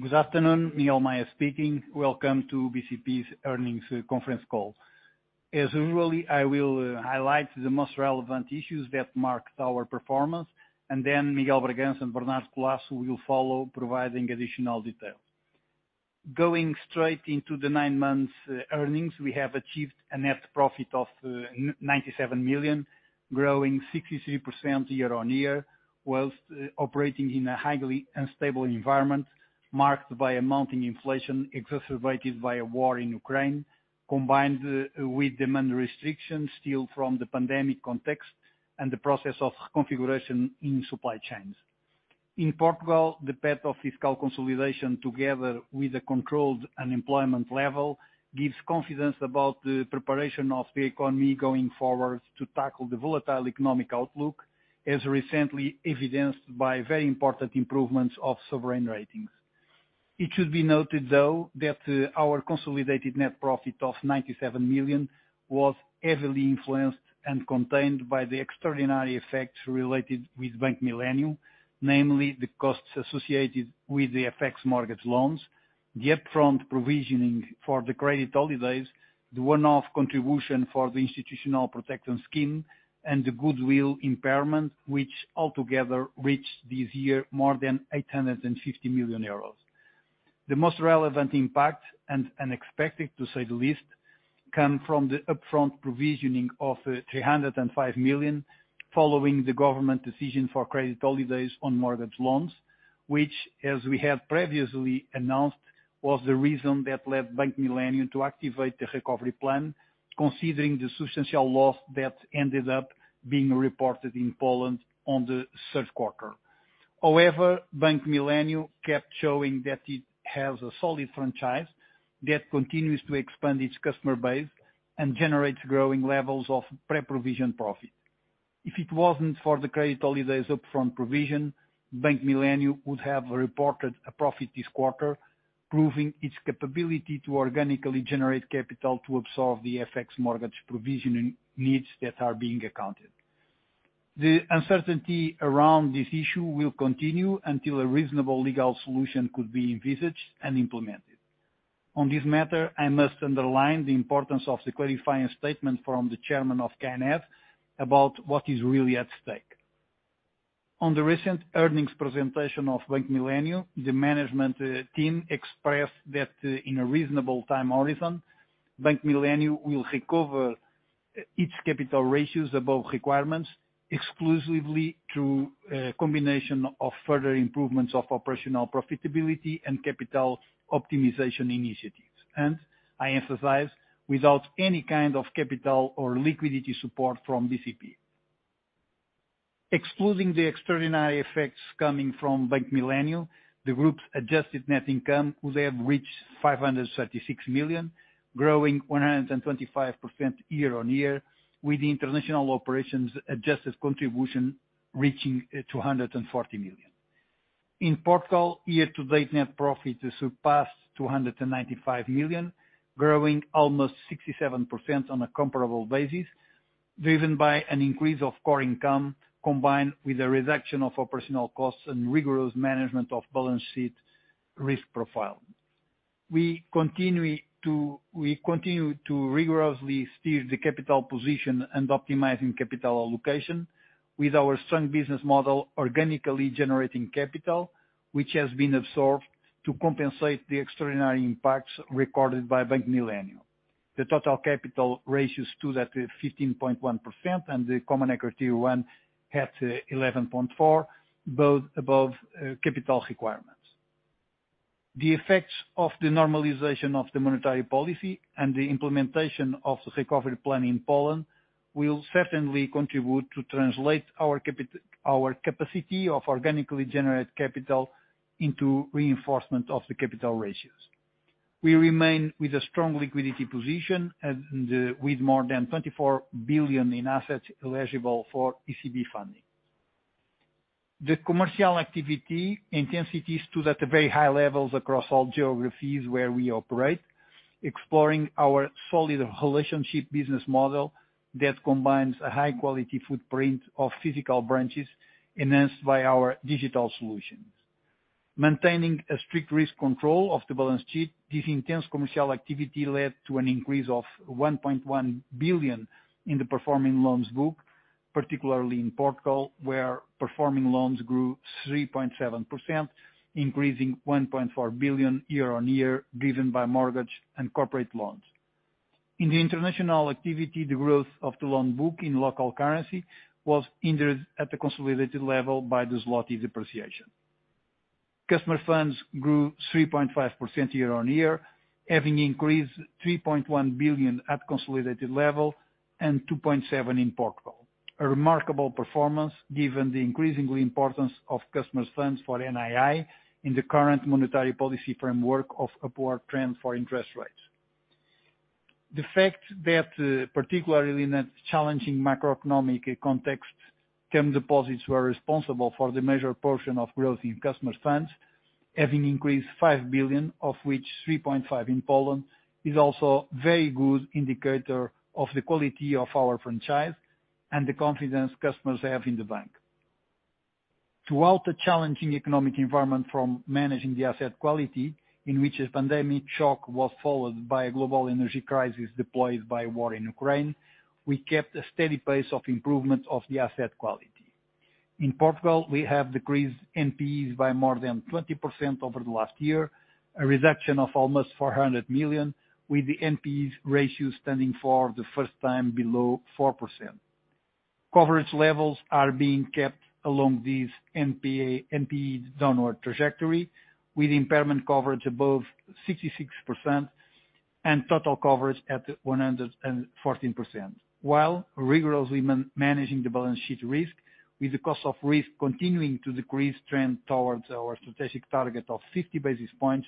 Good afternoon, Miguel Maya speaking. Welcome to BCP's earnings conference call. As usual, I will highlight the most relevant issues that marked our performance, and then Miguel de Bragança and Bernardo Collaço will follow, providing additional details. Going straight into the nine months earnings, we have achieved a net profit of 97 million, growing 63% year-on-year, while operating in a highly unstable environment marked by a mounting inflation exacerbated by a war in Ukraine, combined with demand restrictions still from the pandemic context and the process of reconfiguration in supply chains. In Portugal, the path of fiscal consolidation, together with the controlled unemployment level, gives confidence about the preparation of the economy going forward to tackle the volatile economic outlook, as recently evidenced by very important improvements of sovereign ratings. It should be noted, though, that our consolidated net profit of 97 million was heavily influenced and contained by the extraordinary effects related with Bank Millennium, namely the costs associated with the FX mortgage loans, the upfront provisioning for the credit holidays, the one-off contribution for the institutional protection scheme, and the goodwill impairment, which altogether reached this year more than 850 million euros. The most relevant impact, and unexpected, to say the least, came from the upfront provisioning of 305 million following the government decision for credit holidays on mortgage loans, which, as we have previously announced, was the reason that led Bank Millennium to activate the recovery plan, considering the substantial loss that ended up being reported in Poland on the third quarter. However, Bank Millennium kept showing that it has a solid franchise that continues to expand its customer base and generates growing levels of pre-provision profit. If it wasn't for the credit holidays upfront provision, Bank Millennium would have reported a profit this quarter, proving its capability to organically generate capital to absorb the FX mortgage provisioning needs that are being accounted. The uncertainty around this issue will continue until a reasonable legal solution could be envisaged and implemented. On this matter, I must underline the importance of the clarifying statement from the Chairman of KNF about what is really at stake. On the recent earnings presentation of Bank Millennium, the management team expressed that, in a reasonable time horizon, Bank Millennium will recover its capital ratios above requirements exclusively through a combination of further improvements of operational profitability and capital optimization initiatives. I emphasize, without any kind of capital or liquidity support from BCP. Excluding the extraordinary effects coming from Bank Millennium, the group's adjusted net income could have reached 536 million, growing 125% year-on-year with the international operations adjusted contribution reaching, 240 million. In Portugal, year-to-date net profit has surpassed 295 million, growing almost 67% on a comparable basis, driven by an increase of core income combined with a reduction of operational costs and rigorous management of balance sheet risk profile. We continue to rigorously steer the capital position and optimizing capital allocation with our strong business model organically generating capital, which has been absorbed to compensate the extraordinary impacts recorded by Bank Millennium. The total capital ratios stood at 15.1%, and the Common Equity Tier 1 at 11.4%, both above capital requirements. The effects of the normalization of the monetary policy and the implementation of the recovery plan in Poland will certainly contribute to translate our capacity to organically generate capital into reinforcement of the capital ratios. We remain with a strong liquidity position and with more than 24 billion in assets eligible for ECB funding. The commercial activity intensities stood at very high levels across all geographies where we operate, exploiting our solid relationship business model that combines a high quality footprint of physical branches enhanced by our digital solutions. Maintaining a strict risk control of the balance sheet, this intense commercial activity led to an increase of 1.1 billion in the performing loans book, particularly in Portugal, where performing loans grew 3.7%, increasing 1.4 billion year-on-year, driven by mortgage and corporate loans. In the international activity, the growth of the loan book in local currency was hindered at the consolidated level by the zloty depreciation. Customer funds grew 3.5% year-on-year, having increased 3.1 billion at consolidated level and 2.7 billion in Portugal. A remarkable performance given the increasingly importance of customers funds for NII in the current monetary policy framework of upward trend for interest rates. The fact that, particularly in a challenging macroeconomic context, term deposits were responsible for the major portion of growth in customer funds, having increased 5 billion, of which 3.5 billion in Poland, is also very good indicator of the quality of our franchise and the confidence customers have in the bank. Throughout the challenging economic environment in managing the asset quality, in which the pandemic shock was followed by a global energy crisis unleashed by war in Ukraine, we kept a steady pace of improvement of the asset quality. In Portugal, we have decreased NPEs by more than 20% over the last year, a reduction of almost 400 million, with the NPEs ratio standing for the first time below 4%. Coverage levels are being kept along this NPA, NPE downward trajectory, with impairment coverage above 66% and total coverage at 114%, while rigorously managing the balance sheet risk, with the cost of risk continuing to decrease trend towards our strategic target of 50 basis points,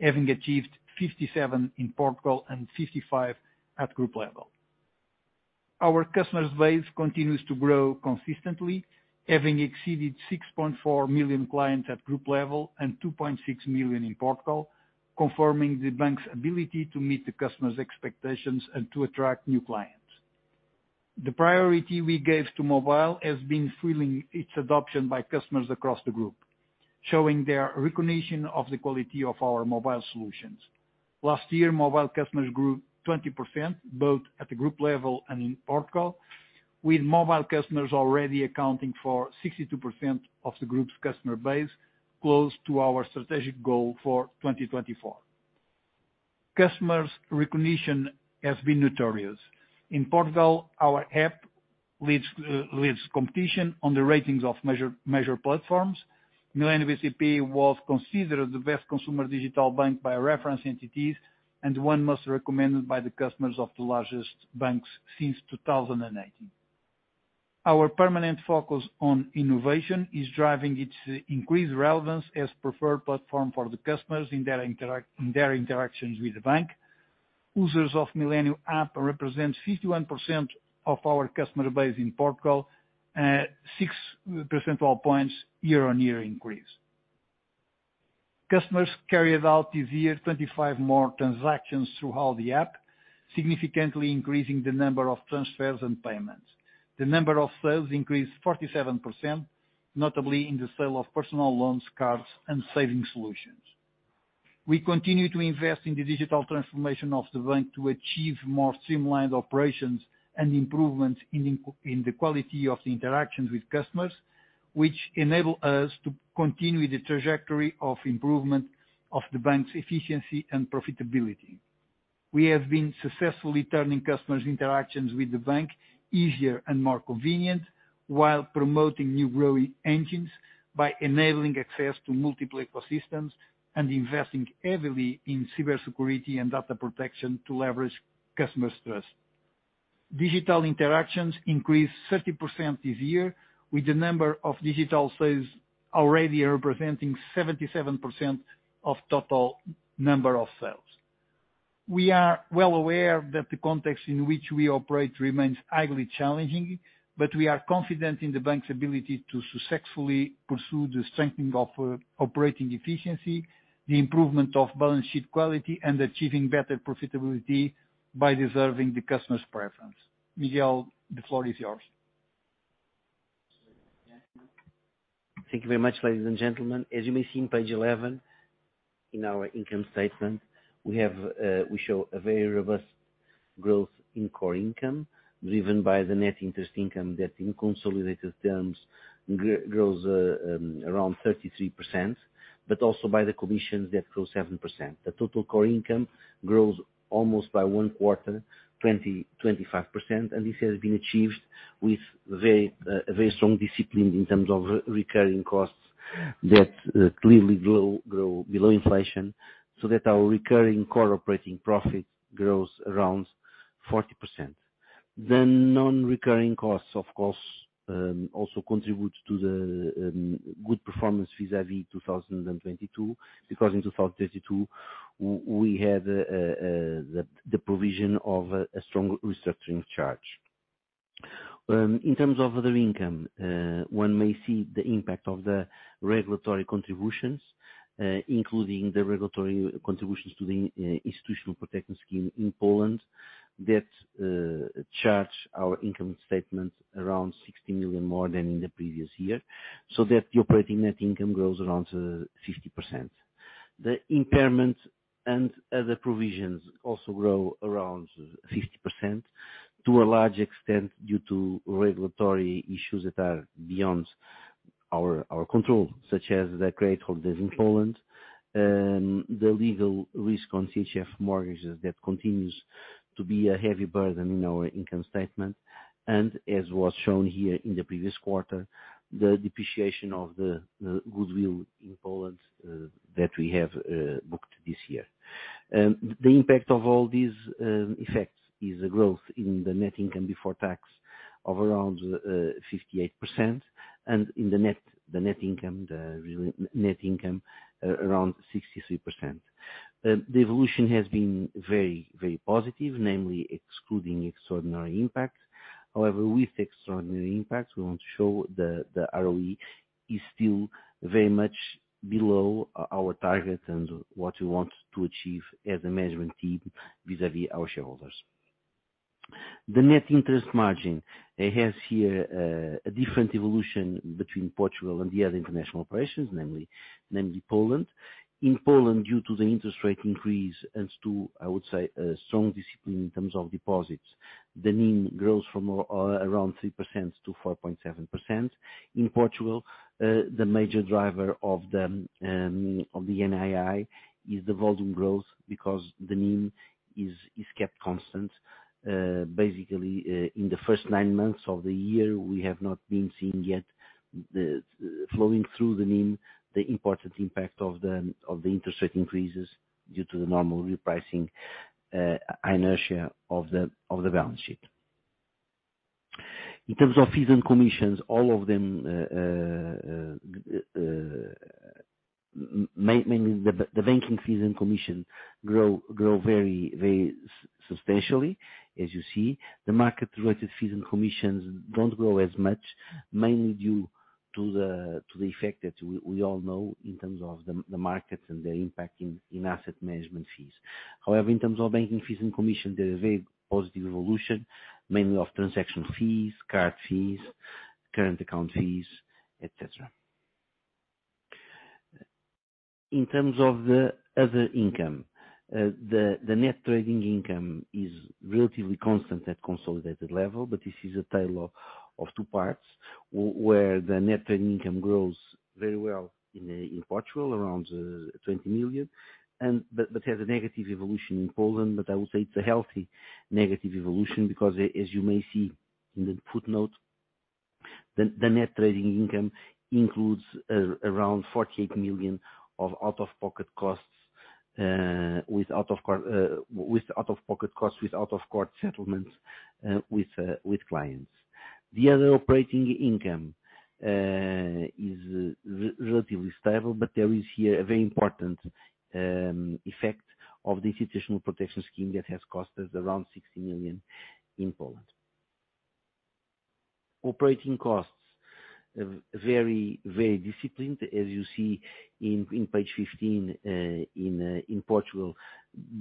having achieved 57 in Portugal and 55 at group level. Our customer base continues to grow consistently, having exceeded 6.4 million clients at group level and 2.6 million in Portugal, confirming the bank's ability to meet the customers' expectations and to attract new clients. The priority we gave to mobile has been fueling its adoption by customers across the group, showing their recognition of the quality of our mobile solutions. Last year, mobile customers grew 20% both at the group level and in Portugal, with mobile customers already accounting for 62% of the group's customer base, close to our strategic goal for 2024. Customers recognition has been notorious. In Portugal, our app leads competition on the ratings of measure platforms. Millennium BCP was considered the best consumer digital bank by reference entities and one most recommended by the customers of the largest banks since 2018. Our permanent focus on innovation is driving its increased relevance as preferred platform for the customers in their interactions with the bank. Users of Millennium app represents 51% of our customer base in Portugal at 6 percentage points year-on-year increase. Customers carried out this year 25% more transactions throughout the app, significantly increasing the number of transfers and payments. The number of sales increased 47%, notably in the sale of personal loans, cards, and savings solutions. We continue to invest in the digital transformation of the bank to achieve more streamlined operations and improvements in the quality of the interactions with customers, which enable us to continue the trajectory of improvement of the bank's efficiency and profitability. We have been successfully turning customer interactions with the bank easier and more convenient, while promoting new growth engines by enabling access to multiple ecosystems and investing heavily in cybersecurity and data protection to leverage customer trust. Digital interactions increased 30% this year, with the number of digital sales already representing 77% of total number of sales. We are well aware that the context in which we operate remains highly challenging, but we are confident in the bank's ability to successfully pursue the strengthening of operating efficiency, the improvement of balance sheet quality, and achieving better profitability by deserving the customer's preference. Miguel, the floor is yours. Thank you very much, ladies and gentlemen. As you may see on page 11 in our income statement, we show a very robust growth in core income driven by the net interest income that in consolidated terms grows around 33%, but also by the commissions that grow 7%. The total core income grows almost by one quarter, 25%, and this has been achieved with very strong discipline in terms of recurring costs that clearly grow below inflation, so that our recurring core operating profit grows around 40%. Non-recurring costs, of course, also contribute to the good performance vis-à-vis 2022, because in 2022, we had the provision of a stronger restructuring charge. In terms of other income, one may see the impact of the regulatory contributions, including the regulatory contributions to the institutional protection scheme in Poland that charge our income statement around 60 million more than in the previous year, so that the operating net income grows around 50%. The impairment and other provisions also grow around 50% to a large extent, due to regulatory issues that are beyond our control, such as the credit holidays in Poland, the legal risk on CHF mortgages that continues to be a heavy burden in our income statement. As was shown here in the previous quarter, the depreciation of the goodwill in Poland that we have booked this year. The impact of all these effects is a growth in the net income before tax of around 58% and in the net income around 63%. The evolution has been very positive, namely excluding extraordinary impacts. However, with extraordinary impacts, we want to show the ROE is still very much below our target and what we want to achieve as a management team vis-a-vis our shareholders. The net interest margin has here a different evolution between Portugal and the other international operations, namely Poland. In Poland, due to the interest rate increase as to, I would say, a strong discipline in terms of deposits, the NIM grows from around 3% -4.7%. In Portugal, the major driver of the NII is the volume growth because the NIM is kept constant. Basically, in the first nine months of the year, we have not been seeing yet the flowing through the NIM, the important impact of the interest rate increases due to the normal repricing inertia of the balance sheet. In terms of fees and commissions, all of them, mainly the banking fees and commissions grow very substantially, as you see. The market-related fees and commissions don't grow as much, mainly due to the effect that we all know in terms of the markets and their impact in asset management fees. However, in terms of banking fees and commission, there is a very positive evolution, mainly of transaction fees, card fees, current account fees, etc. In terms of the other income, the net trading income is relatively constant at consolidated level, but this is a tale of two parts where the net trading income grows very well in Portugal, around 20 million. Has a negative evolution in Poland, but I would say it's a healthy negative evolution because as you may see in the footnote, the net trading income includes around 48 million of out-of-pocket costs with out-of-court settlements with clients. The other operating income is relatively stable, but there is here a very important effect of the institutional protection scheme that has cost us around 60 million in Poland. Operating costs very disciplined, as you see in page 15, in Portugal,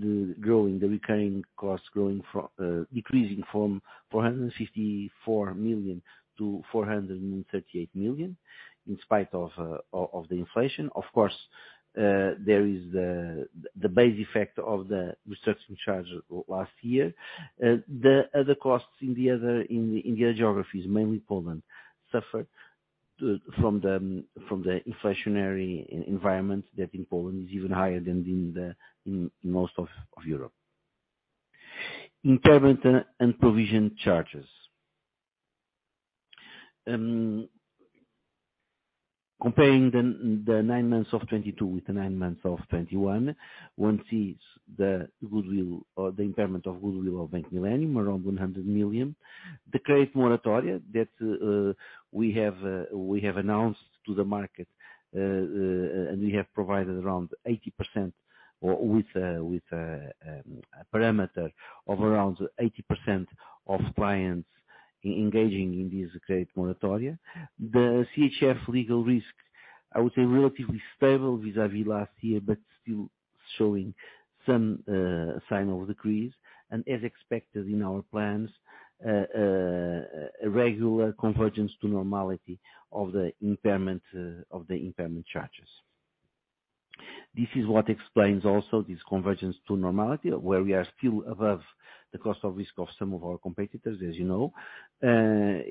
the recurring costs decreasing from 454 million-438 million in spite of the inflation. Of course, there is the base effect of the restructuring charges last year. The other costs in the other geographies, mainly Poland, suffer from the inflationary environment that in Poland is even higher than in most of Europe. Impairment and provision charges. Comparing the nine months of 2022 with the nine months of 2021, one sees the goodwill or the impairment of goodwill of Bank Millennium, around 100 million. The credit moratoria that we have announced to the market, and we have provided around 80% or with a parameter of around 80% of clients engaging in this credit moratoria. The CHF legal risk, I would say relatively stable vis-à-vis last year, but still showing some sign of decrease. As expected in our plans, a regular convergence to normality of the impairment charges. This is what explains also this convergence to normality, where we are still above the cost of risk of some of our competitors, as you know,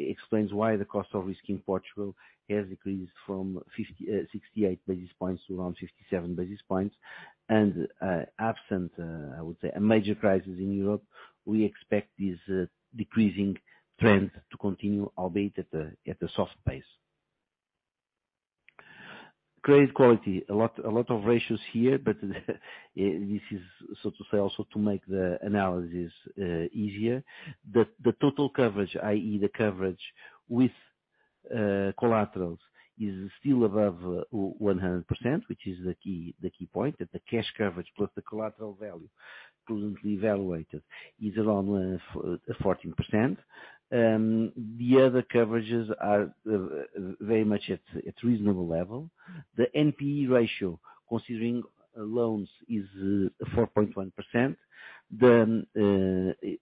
explains why the cost of risk in Portugal has decreased from 68 basis points to around 57 basis points. And absent, I would say a major crisis in Europe, we expect this decreasing trend to continue, albeit at a soft pace. Credit quality, a lot of ratios here, but this is so to say also to make the analysis easier. The total coverage, i.e., the coverage with collaterals is still above 100%, which is the key point, that the cash coverage plus the collateral value currently evaluated is around 14%. The other coverages are very much at reasonable level. The NPE ratio, considering loans, is 4.1%.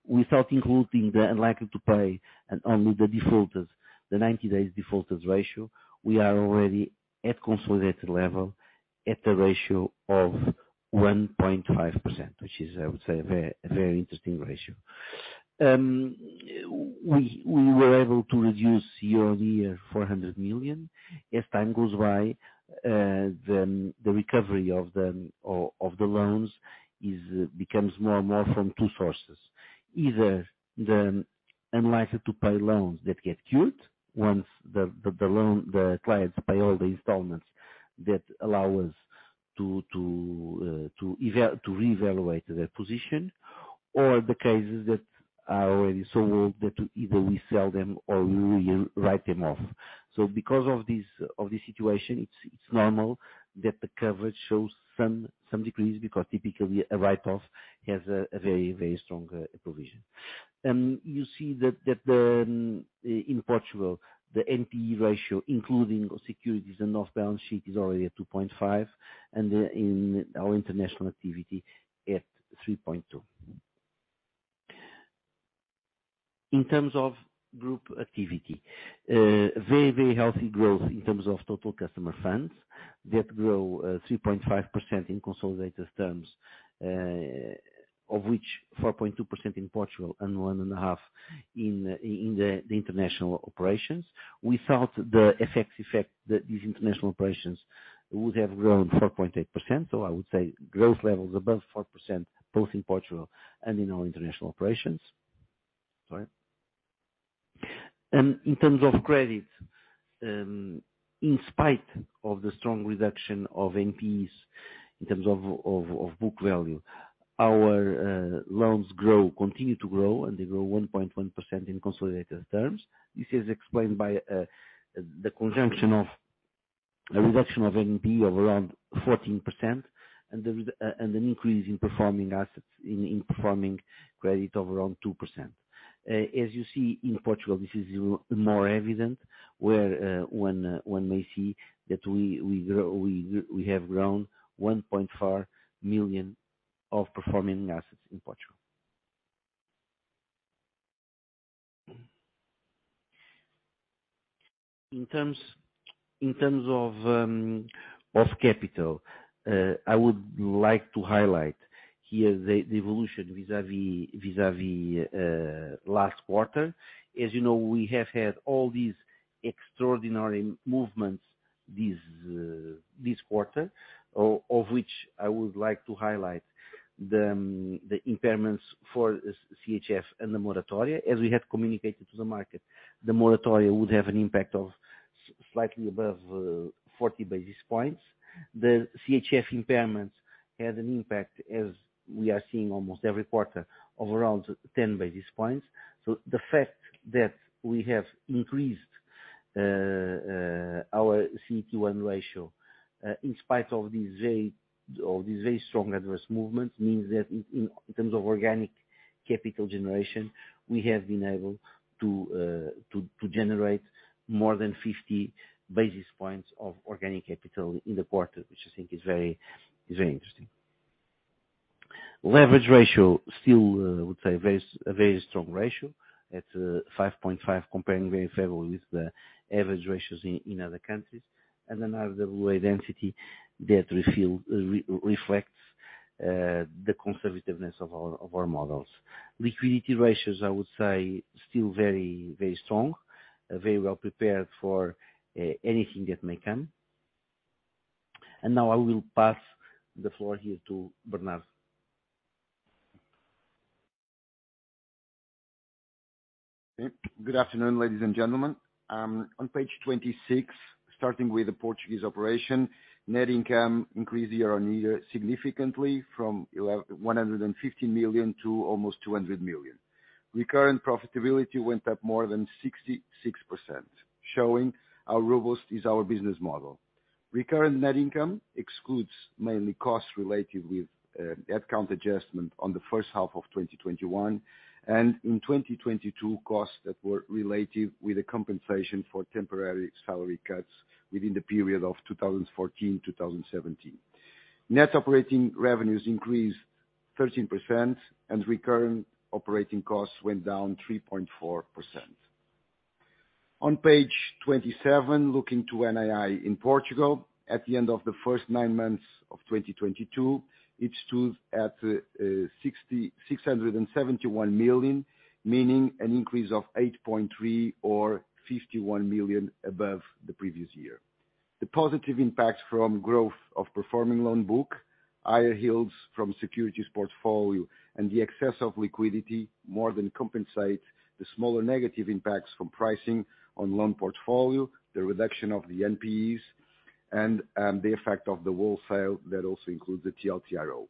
Without including the unlikely to pay and only the defaulters, the 90-day defaulters ratio, we are already at consolidated level at a ratio of 1.5%, which is, I would say, a very interesting ratio. We were able to reduce year-on-year 400 million. As time goes by, the recovery of the loans becomes more and more from two sources. Either the unlikely to pay loans that get cured once the loan, the clients pay all the installments that allow us to reevaluate their position, or the cases that are already so old that either we sell them or we write them off. Because of this situation, it's normal that the coverage shows some decrease because typically a write-off has a very strong provision. You see that in Portugal, the NPE ratio, including securities and off-balance sheet, is already at 2.5%, and in our international activity at 3.2%. In terms of group activity, very healthy growth in terms of total customer funds that grow 3.5% in consolidated terms, of which 4.2% in Portugal and 1.5% in the international operations. Without the FX effect that these international operations would have grown 4.8%. I would say growth levels above 4%, both in Portugal and in our international operations. Sorry. In terms of credit, in spite of the strong reduction of NPEs in terms of book value, our loans continue to grow, and they grow 1.1% in consolidated terms. This is explained by the consumption of a reduction of NPE of around 14% and an increase in performing assets in performing credit of around 2%. As you see in Portugal, this is more evident where one may see that we have grown 1.4 million of performing assets in Portugal. In terms of capital, I would like to highlight here the evolution vis-à-vis last quarter. As you know, we have had all these extraordinary movements this quarter, of which I would like to highlight the impairments for CHF and the moratoria. As we have communicated to the market, the moratoria would have an impact of slightly above 40 basis points. The CHF impairments had an impact, as we are seeing almost every quarter of around 10 basis points. The fact that we have increased our CET1 ratio in spite of these very strong adverse movements means that in terms of organic capital generation, we have been able to generate more than 50 basis points of organic capital in the quarter, which I think is very interesting. Leverage ratio still, I would say very a very strong ratio at 5.5%, comparing very favorably with the average ratios in other countries. An RWA density that reflects the conservativeness of our models. Liquidity ratios, I would say, still very very strong, very well prepared for anything that may come. Now I will pass the floor here to Bernard. Good afternoon, ladies and gentlemen. On page 26, starting with the Portuguese operation, net income increased year-on-year significantly from 150 million to almost 200 million. Recurrent profitability went up more than 66%, showing how robust is our business model. Recurrent net income excludes mainly costs related with actuarial adjustment on the first half of 2021, and in 2022, costs that were related with the compensation for temporary salary cuts within the period of 2014-2017. Net operating revenues increased 13% and recurring operating costs went down 3.4%. On page 27, looking to NII in Portugal. At the end of the first nine months of 2022, it stood at 671 million, meaning an increase of 8.3 or 51 million above the previous year. The positive impacts from growth of performing loan book, higher yields from securities portfolio, and the excess of liquidity more than compensate the smaller negative impacts from pricing on loan portfolio, the reduction of the NPEs and the effect of the wholesale that also includes the TLTRO.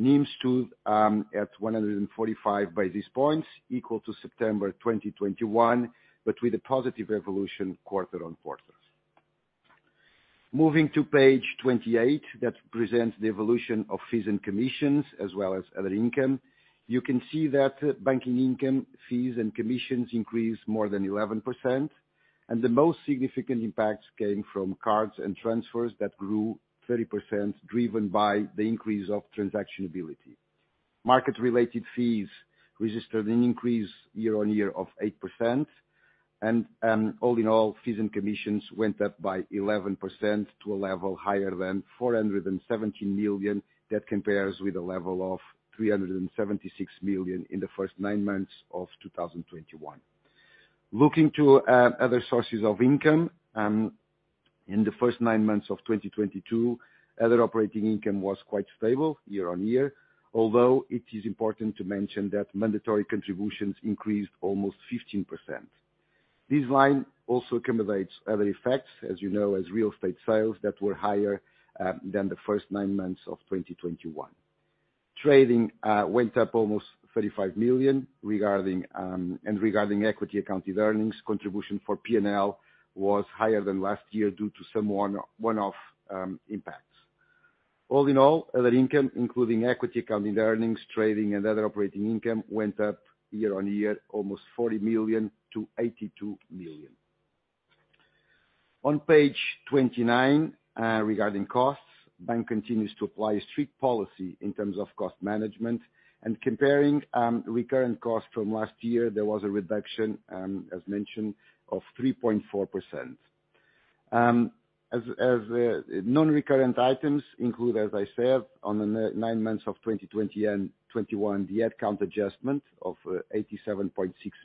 NIMs stood at 145 basis points, equal to September 2021, but with a positive evolution quarter-on-quarter. Moving to page 28, that presents the evolution of fees and commissions as well as other income. You can see that banking income fees and commissions increased more than 11%, and the most significant impacts came from cards and transfers that grew 30%, driven by the increase of transactional activity. Market-related fees registered an increase year-on-year of 8%. All in all, fees and commissions went up by 11% to a level higher than 417 million. That compares with a level of 376 million in the first nine months of 2021. Looking to other sources of income, in the first nine months of 2022, other operating income was quite stable year-on-year, although it is important to mention that mandatory contributions increased almost 15%. This line also accommodates other effects, as you know, as real estate sales that were higher than the first nine months of 2021. Trading went up almost 35 million regarding, and regarding equity-accounted earnings. Contribution for P&L was higher than last year due to some one-off impacts. All in all, other income, including equity-accounted earnings, trading, and other operating income went up year-on-year almost 40 million-82 million. On page 29, regarding costs, bank continues to apply strict policy in terms of cost management. Comparing recurrent costs from last year, there was a reduction, as mentioned, of 3.4%. Non-recurrent items include, as I said, on the nine months of 2020 and 2021, the headcount adjustment of 87.6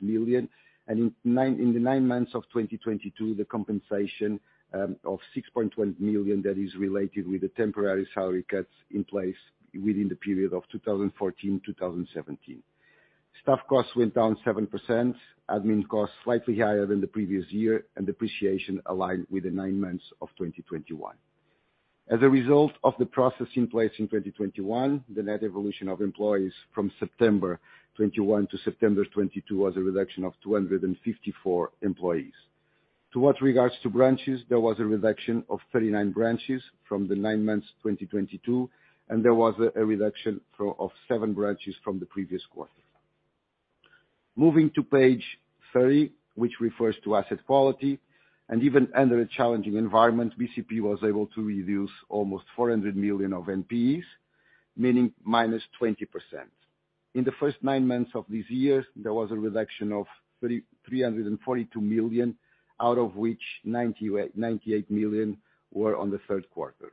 million. In the 9 months of 2022, the compensation of 6.1 million that is related with the temporary salary cuts in place within the period of 2014-2017. Staff costs went down 7%, admin costs slightly higher than the previous year, and depreciation aligned with the nine months of 2021. As a result of the process in place in 2021, the net evolution of employees from September 2021 to September 2022 was a reduction of 254 employees. As regards branches, there was a reduction of 39 branches in the 9 months, 2022, and there was a reduction of seven branches from the previous quarter. Moving to page 30, which refers to asset quality, and even under a challenging environment, BCP was able to reduce almost 400 million of NPEs, meaning -20%. In the first nine months of this year, there was a reduction of 342 million, out of which 98 million were on the third quarter.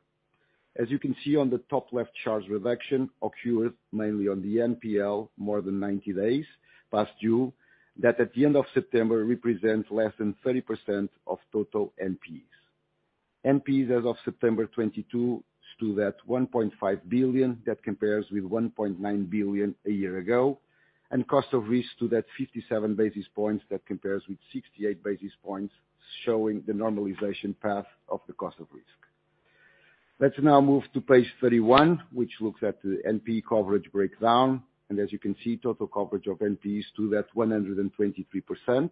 As you can see on the top left chart, reduction occurred mainly on the NPL, more than 90 days past due, that at the end of September represents less than 30% of total NPEs. NPEs as of September 2022 stood at 1.5 billion. That compares with 1.9 billion a year ago. Cost of risk stood at 57 basis points. That compares with 68 basis points, showing the normalization path of the cost of risk. Let's now move to page 31, which looks at the NPE coverage breakdown. As you can see, total coverage of NPEs stood at 123%.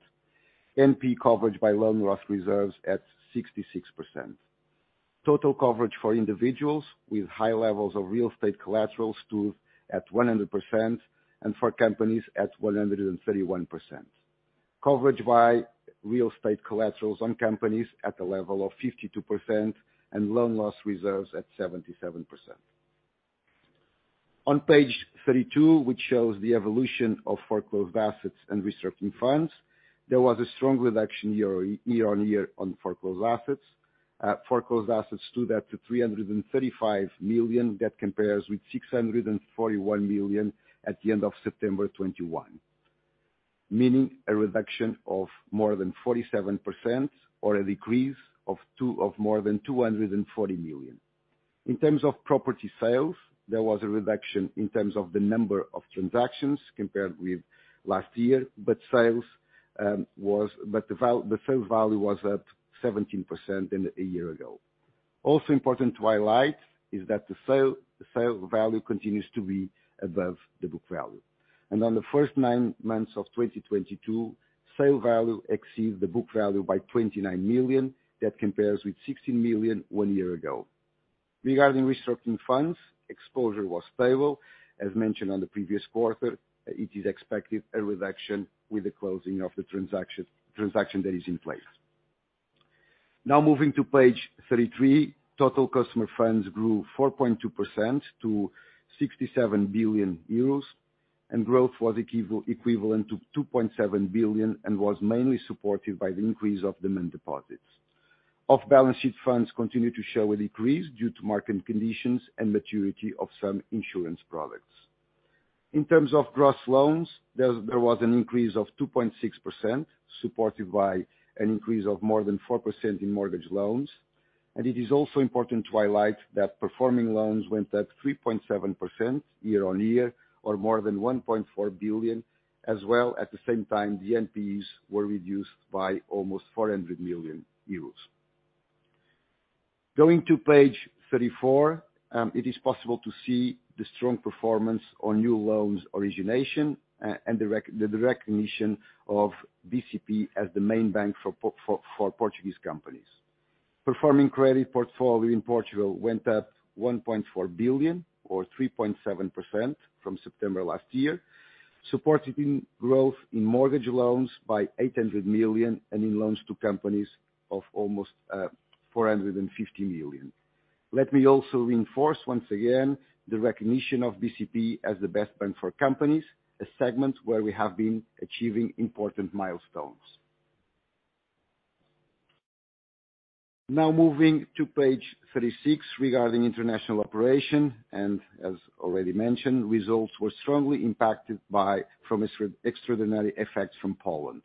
NPE coverage by loan loss reserves at 66%. Total coverage for individuals with high levels of real estate collaterals stood at 100%, and for companies at 131%. Coverage by real estate collaterals on companies at a level of 52%, and loan loss reserves at 77%. On page 32, which shows the evolution of foreclosed assets and restructuring funds, there was a strong reduction year-on-year on foreclosed assets. Foreclosed assets stood up to 335 million. That compares with 641 million at the end of September 2021, meaning a reduction of more than 47% or a decrease of more than 240 million. In terms of property sales, there was a reduction in terms of the number of transactions compared with last year, but the sale value was 17% higher than a year ago. Also important to highlight is that the sale value continues to be above the book value. On the first nine months of 2022, sale value exceeds the book value by 29 million. That compares with 16 million one year ago. Regarding restructuring funds, exposure was stable. As mentioned on the previous quarter, it is expected a reduction with the closing of the transaction that is in place. Now moving to page 33, total customer funds grew 4.2% to 67 billion euros, and growth was equivalent to 2.7 billion and was mainly supported by the increase of demand deposits. Off-balance-sheet funds continued to show a decrease due to market conditions and maturity of some insurance products. In terms of gross loans, there was an increase of 2.6%, supported by an increase of more than 4% in mortgage loans. It is also important to highlight that performing loans went up 3.7% year-on-year, or more than 1.4 billion, as well at the same time, the NPEs were reduced by almost 400 million euros. Going to page 34, it is possible to see the strong performance on new loans origination, and the recognition of BCP as the main bank for Portuguese companies. Performing credit portfolio in Portugal went up 1.4 billion or 3.7% from September last year, supported in growth in mortgage loans by 800 million and in loans to companies of almost 450 million. Let me also reinforce once again the recognition of BCP as the best bank for companies, a segment where we have been achieving important milestones. Now moving to page 36 regarding international operation, and as already mentioned, results were strongly impacted by, from extraordinary effects from Poland.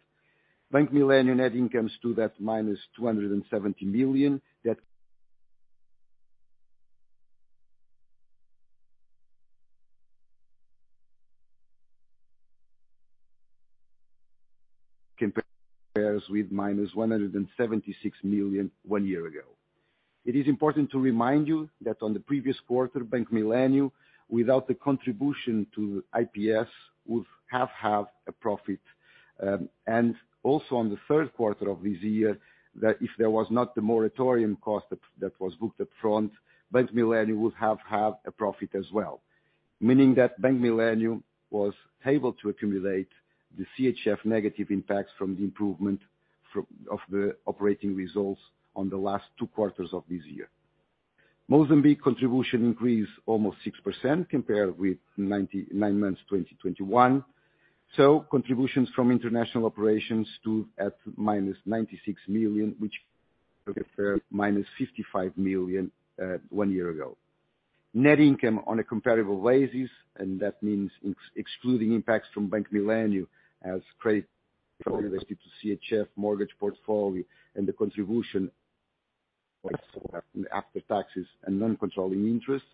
Bank Millennium net incomes stood at -270 million. That compares with -176 million one year ago. It is important to remind you that on the previous quarter, Bank Millennium, without the contribution to IPS, would have had a profit. Also on the third quarter of this year, that if there was not the moratorium cost that was booked up front, Bank Millennium would have had a profit as well. Meaning that Bank Millennium was able to accumulate the CHF negative impacts from the improvement of the operating results on the last two quarters of this year. Mozambique contribution increased almost 6% compared with nine months 2021. Contributions from international operations stood at -96 million, which compared -55 million one year ago. Net income on a comparable basis, and that means excluding impacts from Bank Millennium's CHF mortgage portfolio and the contribution after taxes and non-controlling interest,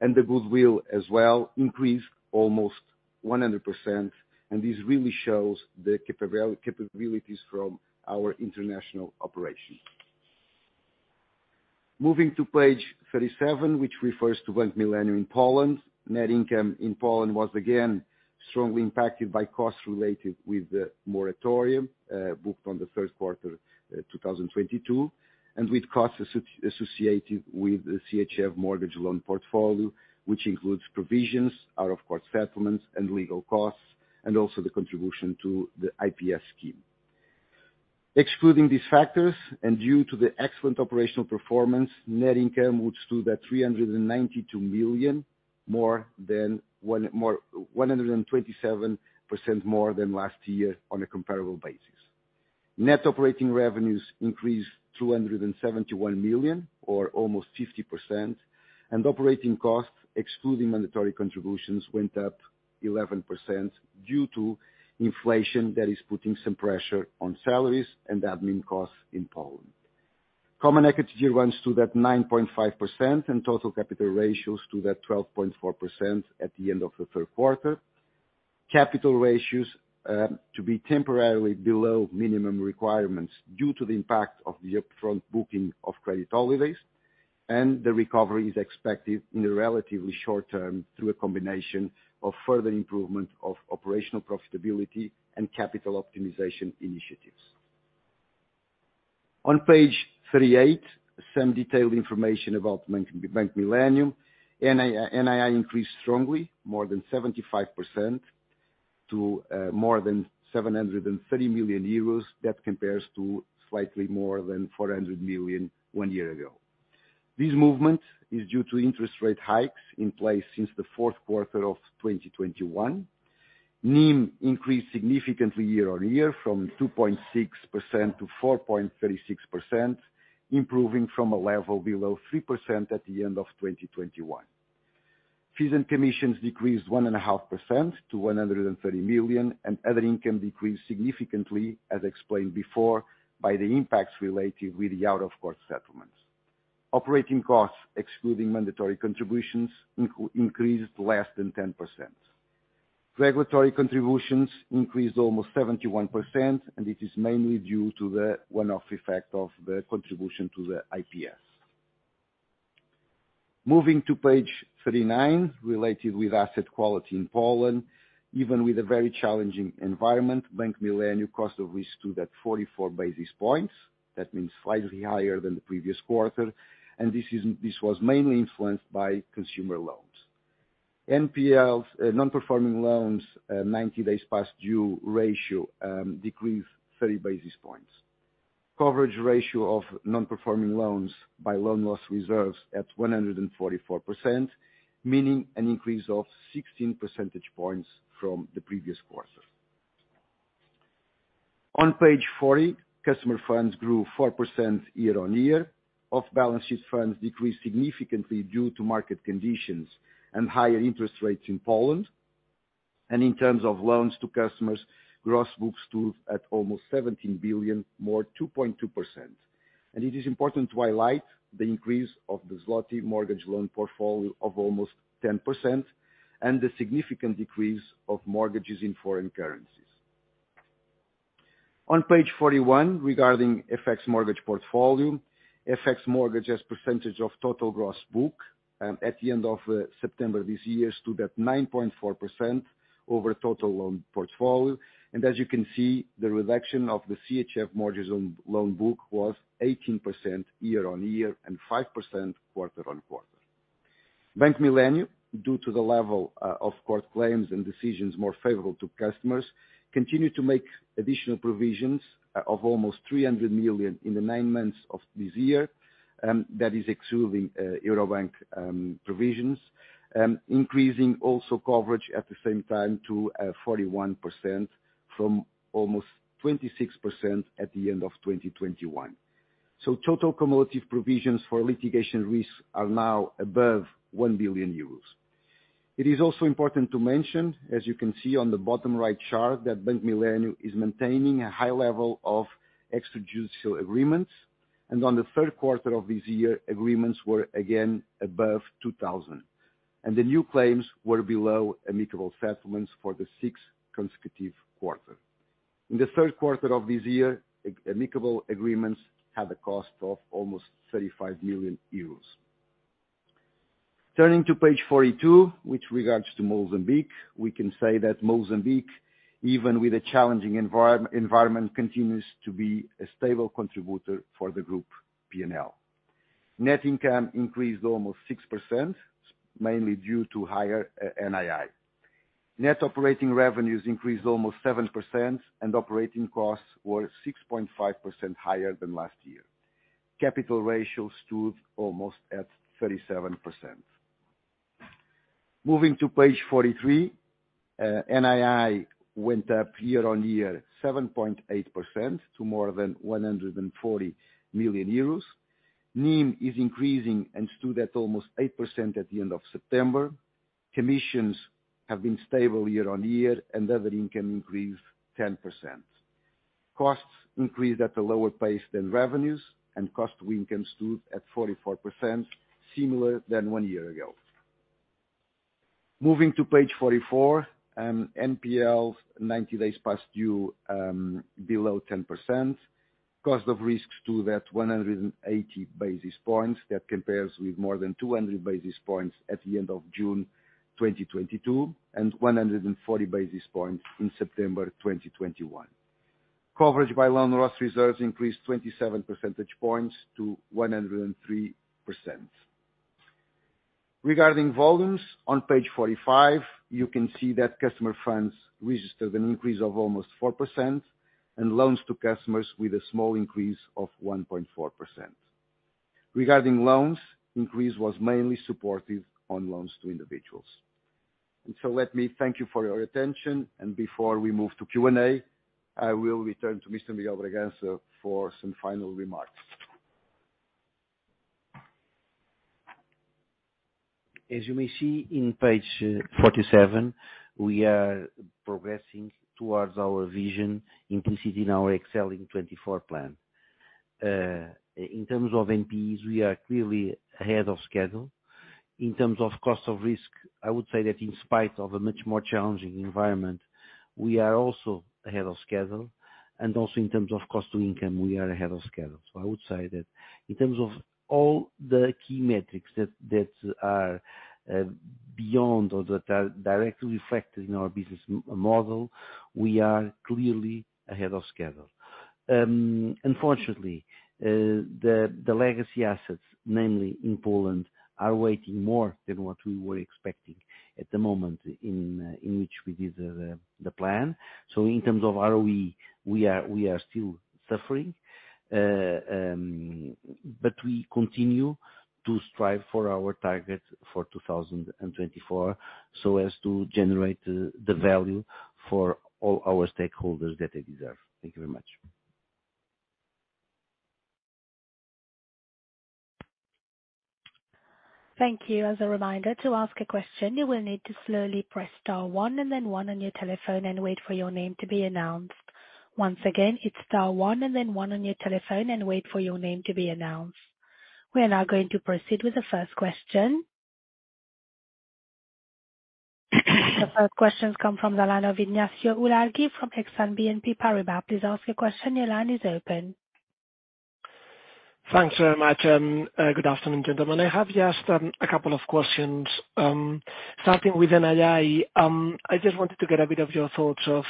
and the goodwill as well increased almost 100%, and this really shows the capabilities from our international operations. Moving to page 37, which refers to Bank Millennium in Poland. Net income in Poland was again strongly impacted by costs related with the moratorium booked on the first quarter 2022, and with costs associated with the CHF mortgage loan portfolio, which includes provisions, out-of-court settlements and legal costs, and also the contribution to the IPS scheme. Excluding these factors and due to the excellent operational performance, net income, which stood at 392 million, more than 127% more than last year on a comparable basis. Net operating revenues increased 271 million or almost 50%, and operating costs, excluding mandatory contributions, went up 11% due to inflation that is putting some pressure on salaries and the admin costs in Poland. Common equity ratio runs to that 9.5% and total capital ratios to that 12.4% at the end of the third quarter. Capital ratios to be temporarily below minimum requirements due to the impact of the upfront booking of credit holidays, and the recovery is expected in the relatively short term through a combination of further improvement of operational profitability and capital optimization initiatives. On page 38, some detailed information about Bank Millennium. NII increased strongly, more than 75% to more than 730 million euros. That compares to slightly more than 400 million one year ago. This movement is due to interest rate hikes in place since the fourth quarter of 2021. NIM increased significantly year on year from 2.6%-4.36%, improving from a level below 3% at the end of 2021. Fees and commissions decreased 1.5% to 130 million, and other income decreased significantly, as explained before, by the impacts related with the out-of-court settlements. Operating costs, excluding mandatory contributions, increased less than 10%. Regulatory contributions increased almost 71%, and it is mainly due to the one-off effect of the contribution to the IPS. Moving to page 39, related with asset quality in Poland. Even with a very challenging environment, Bank Millennium cost of risk stood at 44 basis points. That means slightly higher than the previous quarter, and this was mainly influenced by consumer loans. NPL, non-performing loans, 90 days past due ratio, decreased 30 basis points. Coverage ratio of non-performing loans by loan loss reserves at 144%, meaning an increase of 16 percentage points from the previous quarter. On page 40, customer funds grew 4% year-on-year. Off-balance sheet funds decreased significantly due to market conditions and higher interest rates in Poland. In terms of loans to customers, gross books stood at almost 17 billion, up 2.2%. It is important to highlight the increase of the zloty mortgage loan portfolio of almost 10% and the significant decrease of mortgages in foreign currencies. On page 41, regarding FX mortgage portfolio. FX mortgage as percentage of total gross book at the end of September this year stood at 9.4% over total loan portfolio. As you can see, the reduction of the CHF mortgage loan book was 18% year-on-year and 5% quarter-on-quarter. Bank Millennium, due to the level of court claims and decisions more favorable to customers, continued to make additional provisions of almost 300 million in the nine months of this year, that is excluding Eurobank provisions, increasing also coverage at the same time to 41% from almost 26% at the end of 2021. Total cumulative provisions for litigation risks are now above 1 billion euros. It is also important to mention, as you can see on the bottom right chart, that Bank Millennium is maintaining a high level of extrajudicial agreements, and in the third quarter of this year, agreements were again above 2,000, and the new claims were below amicable settlements for the sixth consecutive quarter. In the third quarter of this year, amicable agreements had a cost of almost 35 million euros. Turning to page 42 with regard to Mozambique, we can say that Mozambique, even with a challenging environment, continues to be a stable contributor for the group P&L. Net income increased almost 6%, mainly due to higher NII. Net operating revenues increased almost 7% and operating costs were 6.5% higher than last year. Capital ratio stood almost at 37%. Moving to page 43, NII went up year-on-year 7.8% to more than 140 million euros. NIM is increasing and stood at almost 8% at the end of September. Commissions have been stable year-on-year and other income increased 10%. Costs increased at a lower pace than revenues and cost to income stood at 44% similar to one year ago. Moving to page 44, NPL 90 days past due below 10%. Cost of risk stood at 180 basis points. That compares with more than 200 basis points at the end of June 2022, and 140 basis points in September 2021. Coverage by loan loss reserves increased 27 percentage points to 103%. Regarding volumes, on page 45, you can see that customer funds registered an increase of almost 4% and loans to customers with a small increase of 1.4%. Regarding loans, increase was mainly in loans to individuals. Let me thank you for your attention. Before we move to Q&A, I will return to Mr. Miguel Bragança for some final remarks. As you may see in page 47, we are progressing towards our vision implicit in our Excelling 2024 plan. In terms of NPEs, we are clearly ahead of schedule. In terms of cost of risk, I would say that in spite of a much more challenging environment, we are also ahead of schedule. In terms of cost to income, we are ahead of schedule. I would say that in terms of all the key metrics that are beyond or that are directly reflected in our business model, we are clearly ahead of schedule. Unfortunately, the legacy assets, mainly in Poland, are weighing more than what we were expecting at the moment in which we did the plan. In terms of ROE, we are still suffering. We continue to strive for our target for 2024 so as to generate the value for all our stakeholders that they deserve. Thank you very much. Thank you. As a reminder, to ask a question, you will need to slowly press star one and then one on your telephone and wait for your name to be announced. Once again, it's star one and then one on your telephone and wait for your name to be announced. We are now going to proceed with the first question. The first questions come from the line of Ignacio Ulargui from Exane BNP Paribas. Please ask your question. Your line is open. Thanks very much. Good afternoon, gentlemen. I have just a couple of questions. Starting with NII. I just wanted to get a bit of your thoughts of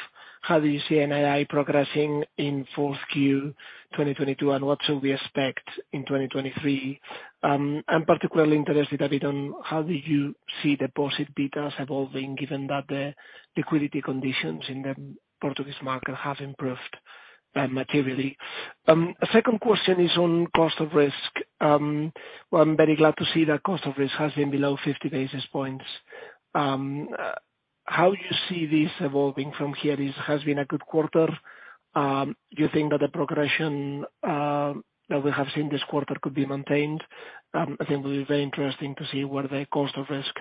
how do you see NII progressing in 4Q 2022, and what should we expect in 2023? I'm particularly interested a bit on how do you see deposit betas evolving given that the liquidity conditions in the Portuguese market have improved materially. A second question is on cost of risk. Well, I'm very glad to see that cost of risk has been below 50 basis points. How you see this evolving from here? It's been a good quarter. Do you think that the progression that we have seen this quarter could be maintained? I think it will be very interesting to see where the cost of risk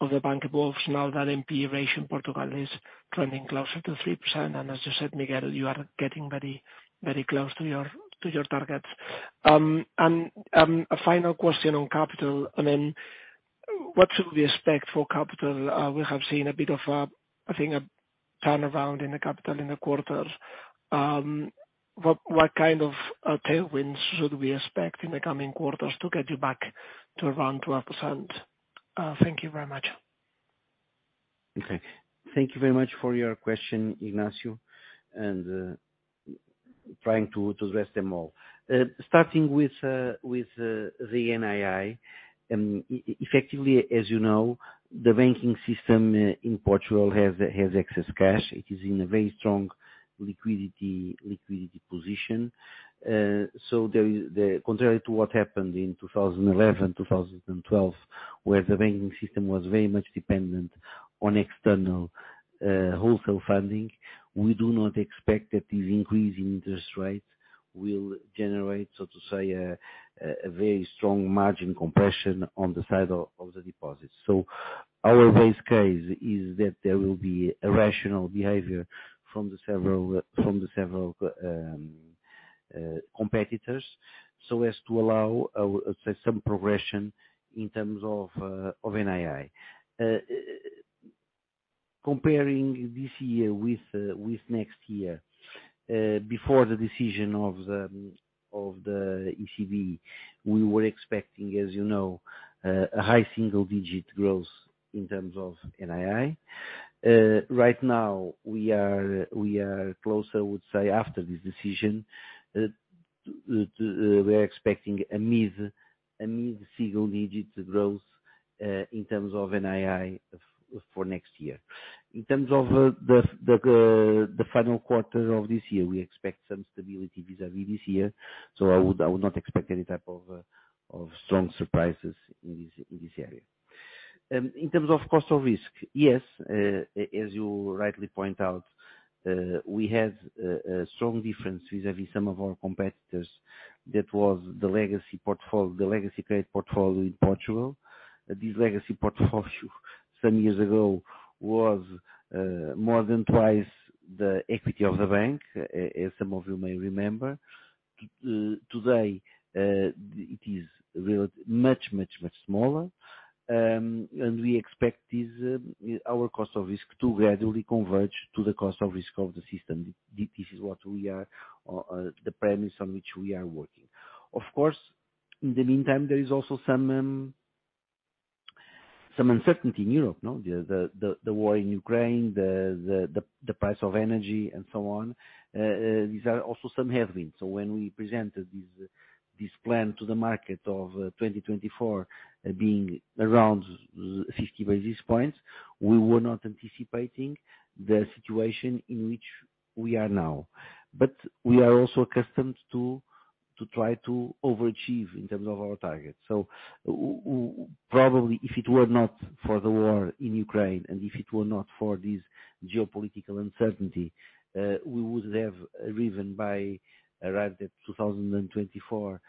of the bank evolves now that NPE ratio in Portugal is trending closer to 3%. As you said, Miguel, you are getting very, very close to your targets. A final question on capital. I mean, what should we expect for capital? We have seen a bit of a, I think, a turnaround in the capital in the quarters. What kind of tailwinds should we expect in the coming quarters to get you back to around 12%? Thank you very much. Okay. Thank you very much for your question, Ignacio. Trying to address them all. Starting with the NII. Effectively, as you know, the banking system in Portugal has excess cash. It is in a very strong liquidity position. Contrary to what happened in 2011, 2012, where the banking system was very much dependent on external wholesale funding, we do not expect that this increase in interest rates will generate, so to say, a very strong margin compression on the side of the deposits. Our base case is that there will be a rational behavior from the several competitors, so as to allow, say, some progression in terms of NII. Comparing this year with next year, before the decision of the ECB, we were expecting, as you know, a high single digit growth in terms of NII. Right now we are closer, I would say, after this decision, to expecting a mid-single digit growth in terms of NII for next year. In terms of the final quarter of this year, we expect some stability vis-a-vis this year, so I would not expect any type of strong surprises in this area. In terms of cost of risk, yes, as you rightly point out, we have a strong difference vis-a-vis some of our competitors. That was the legacy credit portfolio in Portugal. This legacy portfolio some years ago was more than twice the equity of the bank, as some of you may remember. Today, it is really much smaller. We expect this, our cost of risk to gradually converge to the cost of risk of the system. This is what we are, the premise on which we are working. Of course, in the meantime, there is also some uncertainty in Europe, no? The war in Ukraine, the price of energy and so on. These are also some headwinds. When we presented this plan to the market of 2024, being around 50 basis points, we were not anticipating the situation in which we are now. We are also accustomed to try to overachieve in terms of our targets. Probably if it were not for the war in Ukraine, and if it were not for this geopolitical uncertainty, we would have arrived at 2024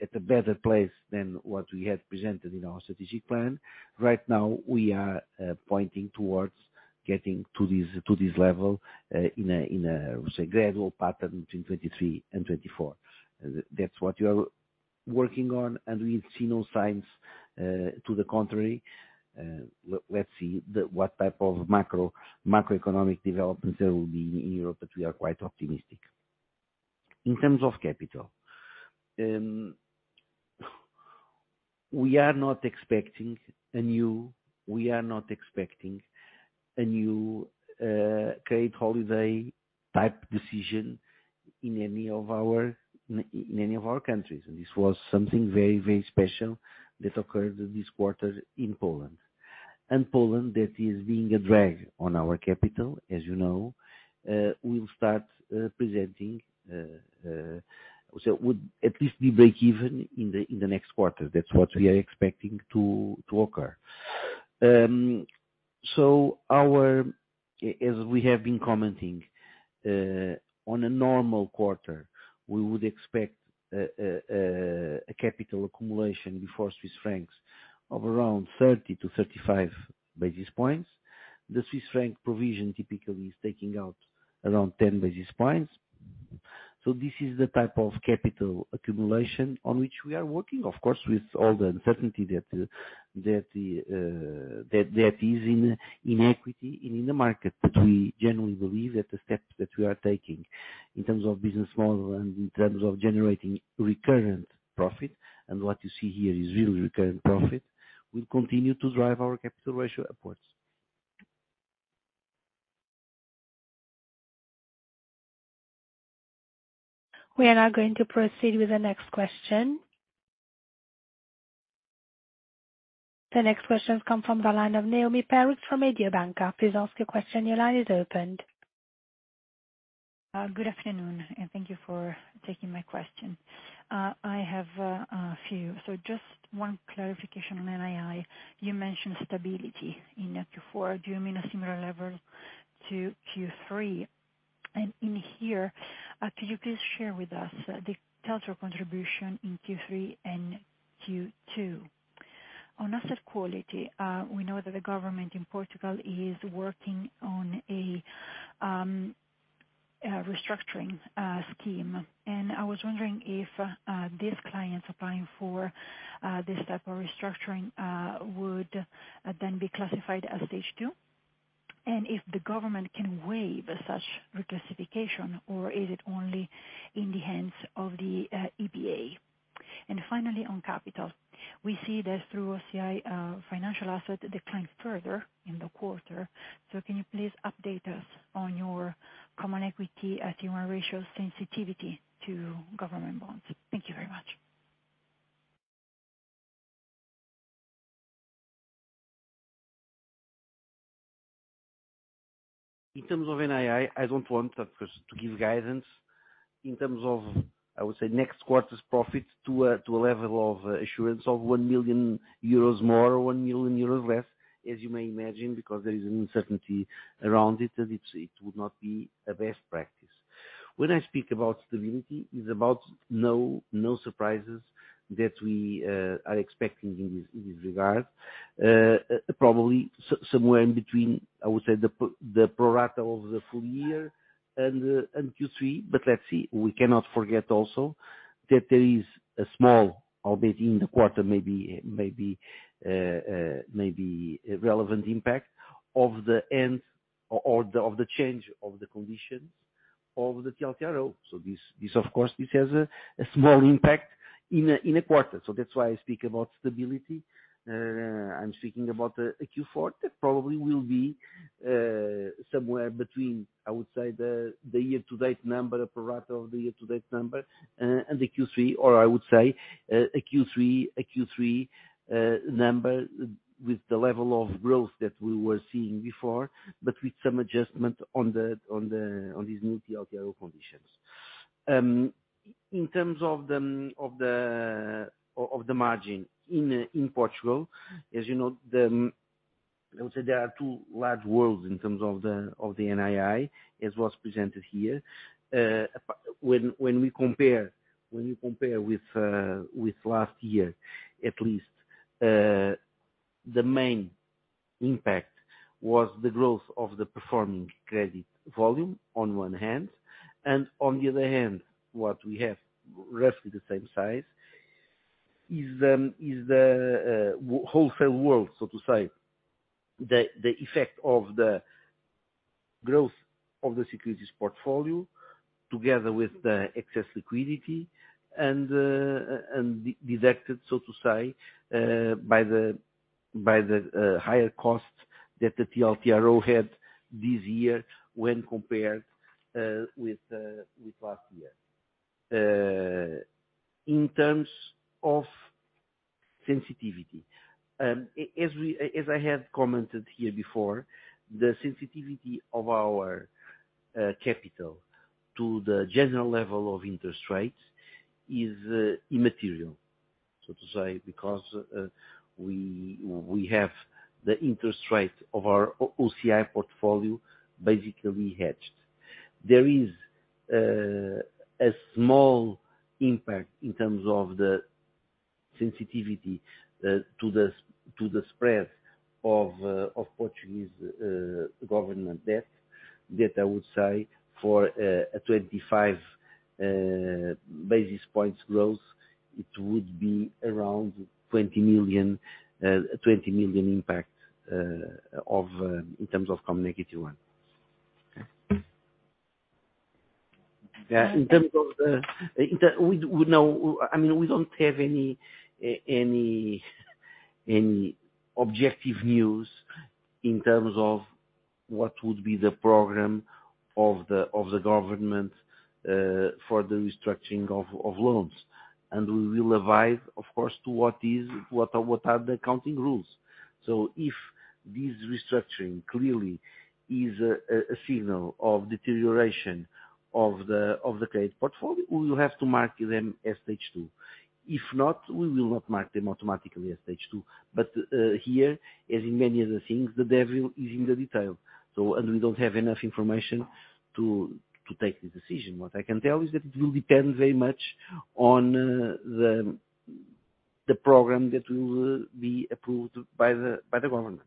at a better place than what we had presented in our strategic plan. Right now, we are pointing towards getting to this level in, say, a gradual pattern between 2023 and 2024. That's what we are working on, and we see no signs to the contrary. Let's see what type of macroeconomic developments there will be in Europe, but we are quite optimistic. In terms of capital, we are not expecting a new credit holiday type decision in any of our countries. This was something very, very special that occurred this quarter in Poland. Poland, that is being a drag on our capital, as you know, we'll start presenting, so would at least be break even in the next quarter. That's what we are expecting to occur. Our, as we have been commenting, on a normal quarter, we would expect a capital accumulation before Swiss francs of around 30-35 basis points. The Swiss franc provision typically is taking out around 10 basis points. This is the type of capital accumulation on which we are working, of course, with all the uncertainty that that is in equity in the market. We generally believe that the steps that we are taking in terms of business model and in terms of generating recurrent profit, and what you see here is real recurrent profit, will continue to drive our capital ratio upwards. We are now going to proceed with the next question. The next question comes from the line of Noemi Peruch from Mediobanca. Please ask your question. Your line is open. Good afternoon, and thank you for taking my question. I have a few. Just one clarification on NII. You mentioned stability in Q4. Do you mean a similar level to Q3? And there, could you please share with us the total contribution in Q3 and Q2? On asset quality, we know that the government in Portugal is working on a restructuring scheme. I was wondering if these clients applying for this type of restructuring would then be classified as Stage 2. If the government can waive such reclassification or is it only in the hands of the EPA? Finally, on capital. We see that through OCI, financial assets declined further in the quarter. Can you please update us on your Common Equity Tier 1 ratio sensitivity to government bonds? Thank you very much. In terms of NII, I don't want, of course, to give guidance in terms of, I would say, next quarter's profit to a level of assurance of 1 million euros more or 1 million euros less, as you may imagine, because there is an uncertainty around it, and it would not be a best practice. When I speak about stability, it's about no surprises that we are expecting in this regard. Probably somewhere in between, I would say, the pro rata of the full year and Q3. But let's see. We cannot forget also that there is a small, albeit in the quarter, maybe relevant impact of the end or the change of the conditions of the TLTRO. So this, of course has a small impact in a quarter. That's why I speak about stability. I'm speaking about a Q4 that probably will be somewhere between, I would say the year-to-date number, pro rata of the year-to-date number, and the Q3. Or I would say a Q3 number with the level of growth that we were seeing before, but with some adjustment on these new TLTRO conditions. In terms of the margin in Portugal, as you know, I would say there are two large worlds in terms of the NII, as was presented here. When you compare with last year, at least, the main impact was the growth of the performing credit volume on one hand, and on the other hand, what we have, roughly the same size, is the wholesale world, so to say. The effect of the growth of the securities portfolio together with the excess liquidity and deducted, so to say, by the higher costs that the TLTRO had this year when compared with last year. In terms of sensitivity, as I have commented here before, the sensitivity of our capital to the general level of interest rates is immaterial, so to say, because we have the interest rate of our OCI portfolio basically hedged. There is a small impact in terms of the sensitivity to the spread of Portuguese government debt, that I would say for a 25 basis points growth, it would be around 20 million impact in terms of Common Equity Tier 1. Okay. In terms- In terms of the, we know. I mean, we don't have any objective news in terms of what would be the program of the government for the restructuring of loans. We will advise, of course, to what are the accounting rules. If this restructuring clearly is a signal of deterioration of the credit portfolio, we will have to mark them as Stage 2. If not, we will not mark them automatically as Stage 2. Here, as in many other things, the devil is in the detail. We don't have enough information to take the decision. What I can tell you is that it will depend very much on the program that will be approved by the government.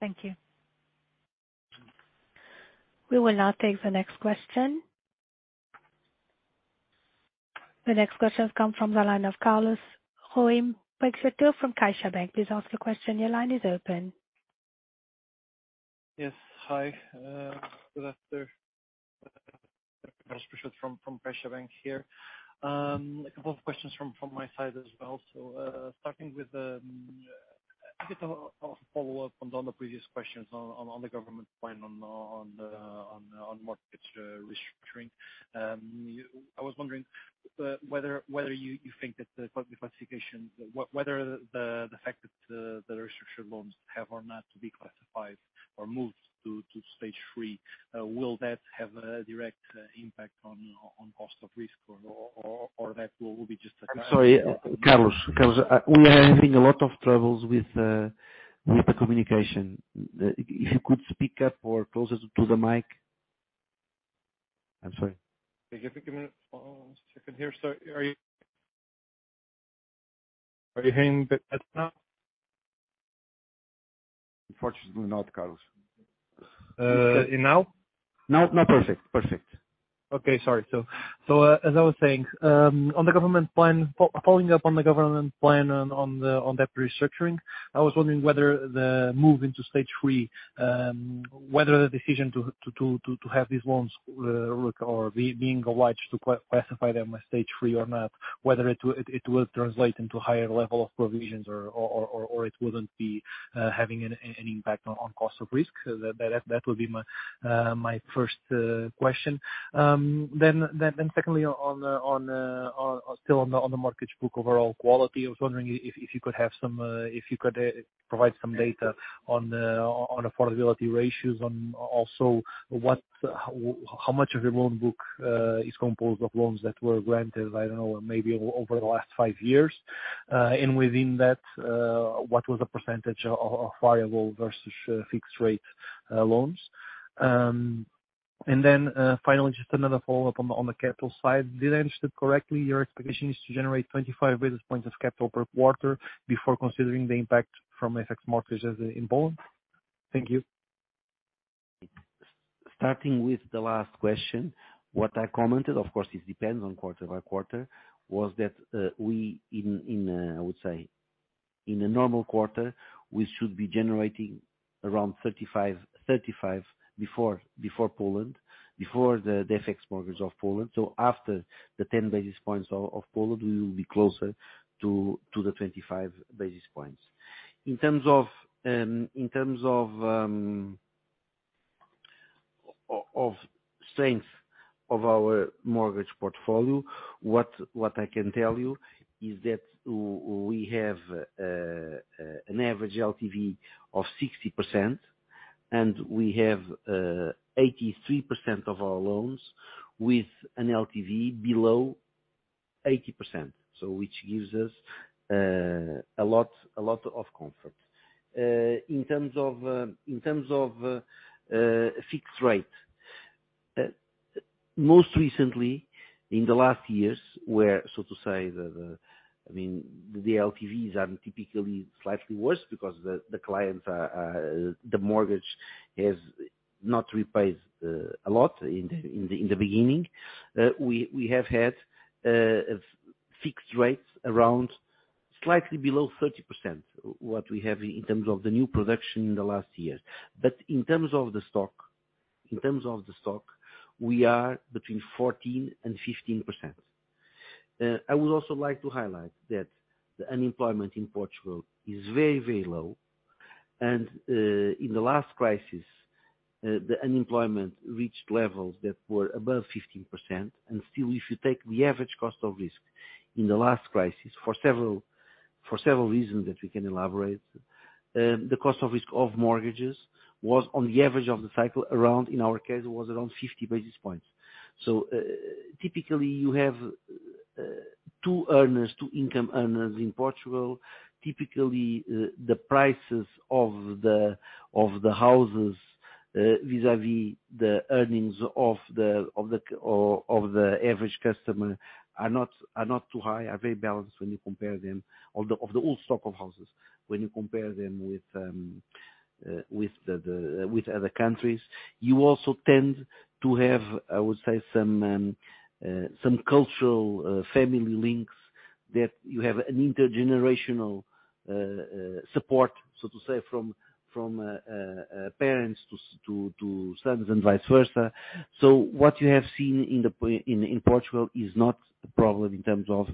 Thank you. We will now take the next question. The next question comes from the line of Carlos Peixoto, from CaixaBank. Please ask your question. Your line is open. Yes. Hi, good afternoon. Carlos Peixoto from CaixaBank here. A couple of questions from my side as well. Starting with, I guess, a follow-up on one of the previous questions on the government plan on the mortgage restructuring. I was wondering whether you think that the classification, whether the fact that the restructured loans have or not to be classified or moved to Stage 3 will that have a direct impact on cost of risk or that will be just a- I'm sorry. Carlos, we are having a lot of troubles with the communication. If you could speak up or closer to the mic. I'm sorry. Give me one second here. Are you hearing me better now? Unfortunately not, Carlos. Now? Now perfect. Perfect. Sorry. As I was saying, on the government plan, following up on the government plan on debt restructuring, I was wondering whether the move into Stage 3, whether the decision to have these loans or being obliged to classify them as Stage 3 or not, whether it will translate into higher level of provisions or it wouldn't be having an impact on cost of risk. That would be my first question. Secondly, on the mortgage book overall quality, I was wondering if you could provide some data on affordability ratios and also how much of your loan book is composed of loans that were granted, I don't know, maybe over the last five years. Within that, what was the percentage of variable versus fixed rate loans. Finally, just another follow-up on the capital side. Did I understood correctly, your expectation is to generate 25 basis points of capital per quarter before considering the impact from FX mortgages in bond? Thank you. Starting with the last question. What I commented, of course, this depends on quarter by quarter, was that, I would say in a normal quarter, we should be generating around 35 before Poland before the FX mortgage of Poland. After the 10 basis points of Poland, we will be closer to the 25 basis points. In terms of strength of our mortgage portfolio, what I can tell you is that we have an average LTV of 60%, and we have 83% of our loans with an LTV below 80%. Which gives us a lot of comfort. In terms of fixed rate, most recently in the last years, I mean, the LTVs are typically slightly worse because the mortgage has not repaid a lot in the beginning. We have had fixed rates around slightly below 30%, what we have in terms of the new production in the last years. In terms of the stock, we are between 14% and 15%. I would also like to highlight that the unemployment in Portugal is very, very low. In the last crisis, the unemployment reached levels that were above 15%. Still, if you take the average cost of risk in the last crisis, for several reasons that we can elaborate, the cost of risk of mortgages was on the average of the cycle around, in our case, it was around 50 basis points. Typically, you have two income earners in Portugal. Typically, the prices of the houses vis-a-vis the earnings of the average customer are not too high, are very balanced when you compare them. Although, of the old stock of houses, when you compare them with other countries. You also tend to have, I would say, some cultural family links. That you have an intergenerational support, so to say, from parents to sons and vice versa. What you have seen in Portugal is not a problem in terms of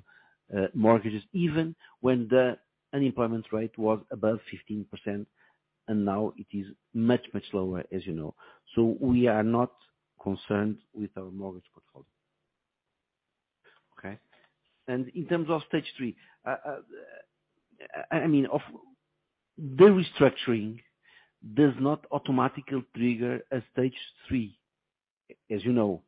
mortgages. Even when the unemployment rate was above 15%, and now it is much, much lower, as you know. We are not concerned with our mortgage portfolio. Okay. In terms of Stage 3, I mean, the restructuring does not automatically trigger a Stage 3, as you know.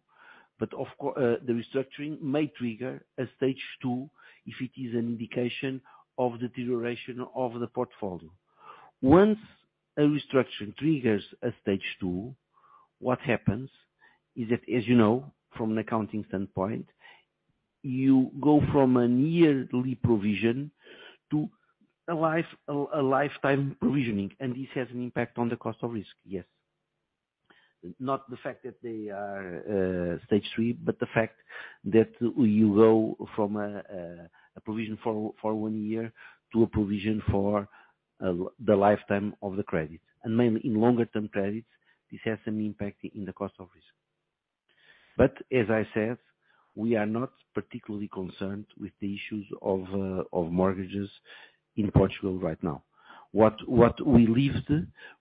The restructuring may trigger a Stage 2 if it is an indication of the deterioration of the portfolio. Once a restructuring triggers a Stage 2, what happens is that, as you know from an accounting standpoint, you go from a yearly provision to a lifetime provisioning, and this has an impact on the cost of risk. Yes. Not the fact that they are Stage 3, but the fact that you go from a provision for one year to a provision for the lifetime of the credit. Mainly in longer term credits, this has an impact in the cost of risk. We are not particularly concerned with the issues of mortgages in Portugal right now. What we lived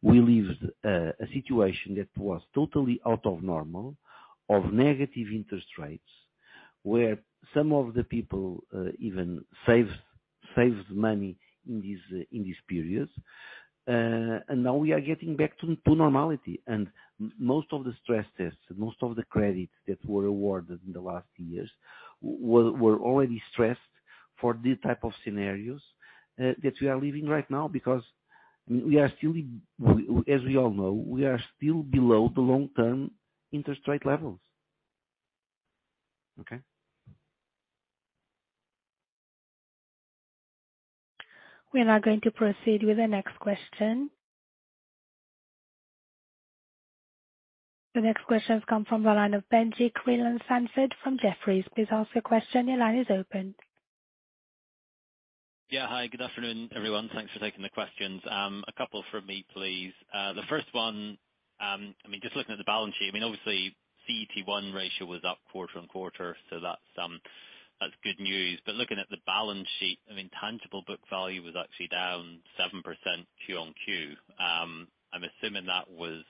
was a situation that was totally abnormal with negative interest rates, where some of the people even saved money in these periods. Now we are getting back to normality. Most of the stress tests, most of the credits that were awarded in the last years were already stressed for these type of scenarios that we are living right now. Because we are still, as we all know, we are still below the long-term interest rate levels. Okay. We are now going to proceed with the next question. The next question comes from the line of Benjie Creelan-Sandford from Jefferies. Please ask your question. Your line is open. Hi, good afternoon, everyone. Thanks for taking the questions. A couple from me, please. The first one, I mean, just looking at the balance sheet, I mean, obviously CET1 ratio was up quarter-on-quarter, so that's good news. Looking at the balance sheet, I mean, tangible book value was actually down 7% Q-on-Q. I'm assuming that was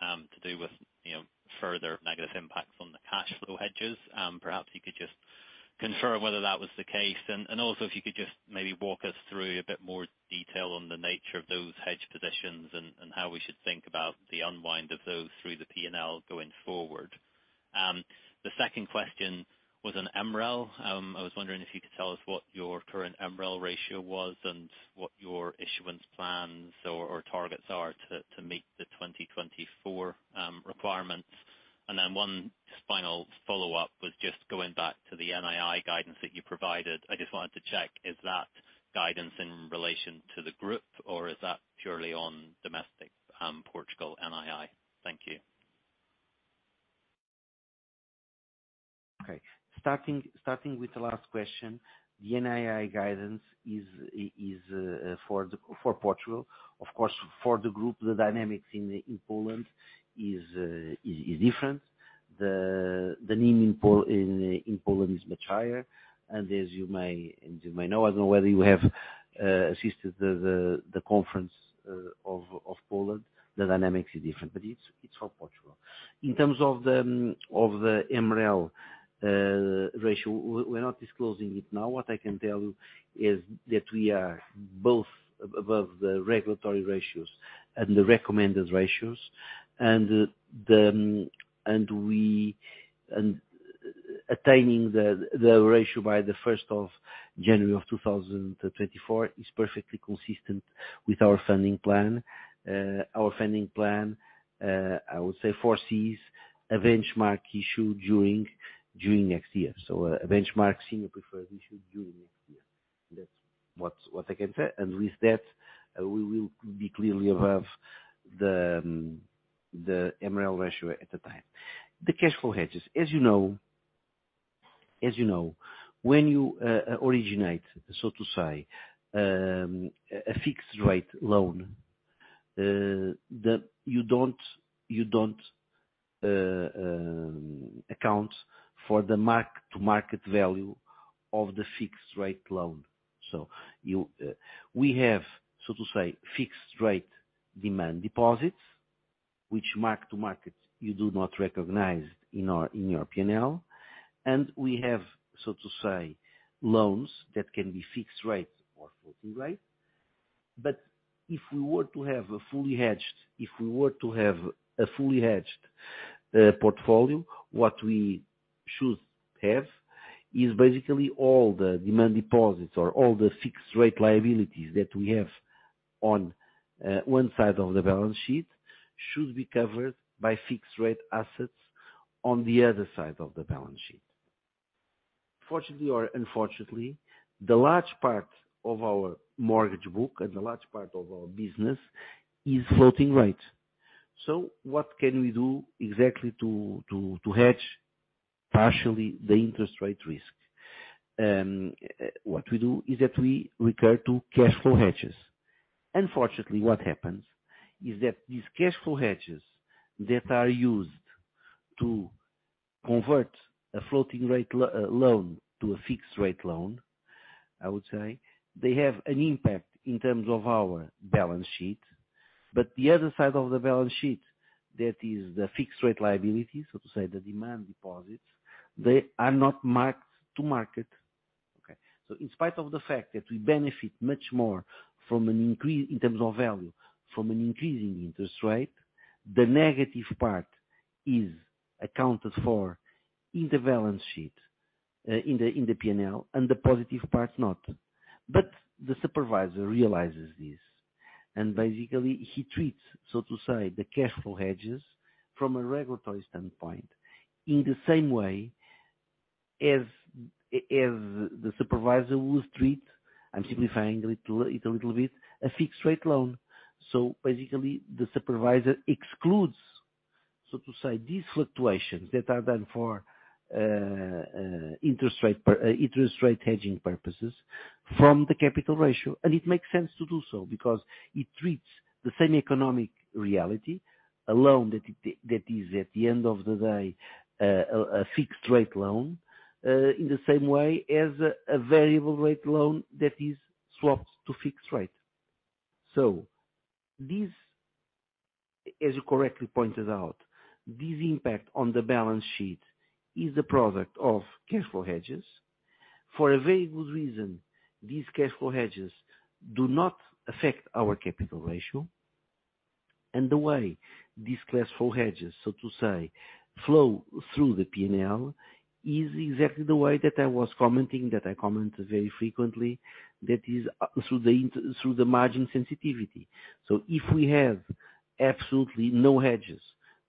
to do with, you know, further negative impacts on the cash flow hedges. Perhaps you could just confirm whether that was the case. And also if you could just maybe walk us through a bit more detail on the nature of those hedge positions and how we should think about the unwind of those through the P&L going forward. The second question was on MREL. I was wondering if you could tell us what your current MREL ratio was and what your issuance plans or targets are to meet the 2024 requirements. One final follow-up was just going back to the NII guidance that you provided. I just wanted to check, is that guidance in relation to the group, or is that purely on domestic Portugal NII? Thank you. Okay. Starting with the last question. The NII guidance is for Portugal. Of course, for the group, the dynamics in Poland is different. The NIM in Poland is much higher. As you may know, I don't know whether you have assisted the conference of Poland, the dynamics is different, but it's for Portugal. In terms of the MREL ratio, we're not disclosing it now. What I can tell you is that we are both above the regulatory ratios and the recommended ratios, and attaining the ratio by the 1st of January of 2024 is perfectly consistent with our funding plan. Our funding plan, I would say foresees a benchmark issue during next year. A benchmark senior preferred issue during next year. That's what I can say. With that, we will be clearly above the MREL ratio at the time. The cash flow hedges. As you know, when you originate, so to say, a fixed rate loan, you don't account for the mark-to-market value of the fixed rate loan. We have, so to say, fixed rate demand deposits, which mark to market you do not recognize in our P&L. We have, so to say, loans that can be fixed rate or floating rate. If we were to have a fully hedged portfolio, what we should have is basically all the demand deposits or all the fixed rate liabilities that we have on one side of the balance sheet should be covered by fixed rate assets on the other side of the balance sheet. Fortunately or unfortunately, the large part of our mortgage book and the large part of our business is floating rate. What can we do exactly to hedge partially the interest rate risk? What we do is that we resort to cash flow hedges. Unfortunately, what happens is that these cash flow hedges that are used to convert a floating rate loan to a fixed rate loan, I would say, they have an impact in terms of our balance sheet. The other side of the balance sheet, that is the fixed rate liability, so to say, the demand deposits, they are not marked to market. Okay? In spite of the fact that we benefit much more from an increase in terms of value, from an increasing interest rate, the negative part is accounted for in the balance sheet, in the P&L, and the positive part not. The supervisor realizes this, and basically he treats, so to say, the cash flow hedges from a regulatory standpoint in the same way as the supervisor would treat, I'm simplifying it a little bit, a fixed rate loan. Basically the supervisor excludes, so to say, these fluctuations that are done for interest rate hedging purposes from the capital ratio. It makes sense to do so because it treats the same economic reality, a loan that is at the end of the day a fixed rate loan in the same way as a variable rate loan that is swapped to fixed rate. This, as you correctly pointed out, this impact on the balance sheet is a product of cash flow hedges. For a very good reason, these cash flow hedges do not affect our capital ratio. The way these cash flow hedges, so to say, flow through the P&L is exactly the way that I was commenting, that I comment very frequently, that is, through the margin sensitivity. If we have absolutely no hedges,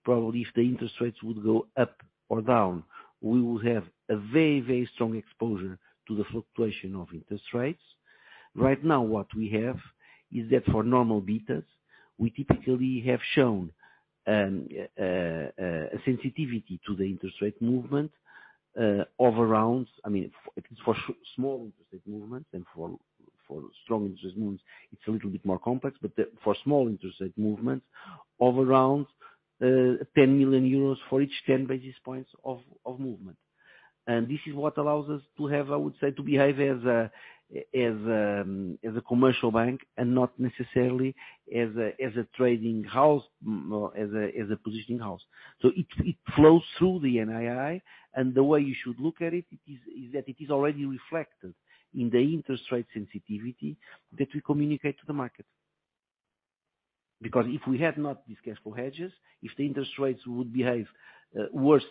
probably if the interest rates would go up or down, we would have a very, very strong exposure to the fluctuation of interest rates. Right now, what we have is that for normal betas, we typically have shown a sensitivity to the interest rate movement of around. I mean, for small interest rate movements and for strong interest rate movements, it's a little bit more complex. For small interest rate movements of around 10 million euros for each 10 basis points of movement. This is what allows us to have, I would say, to behave as a commercial bank and not necessarily as a trading house, more as a positioning house. It flows through the NII. The way you should look at it is that it is already reflected in the interest rate sensitivity that we communicate to the market. If we had not discussed cash flow hedges, if the interest rates would behave worse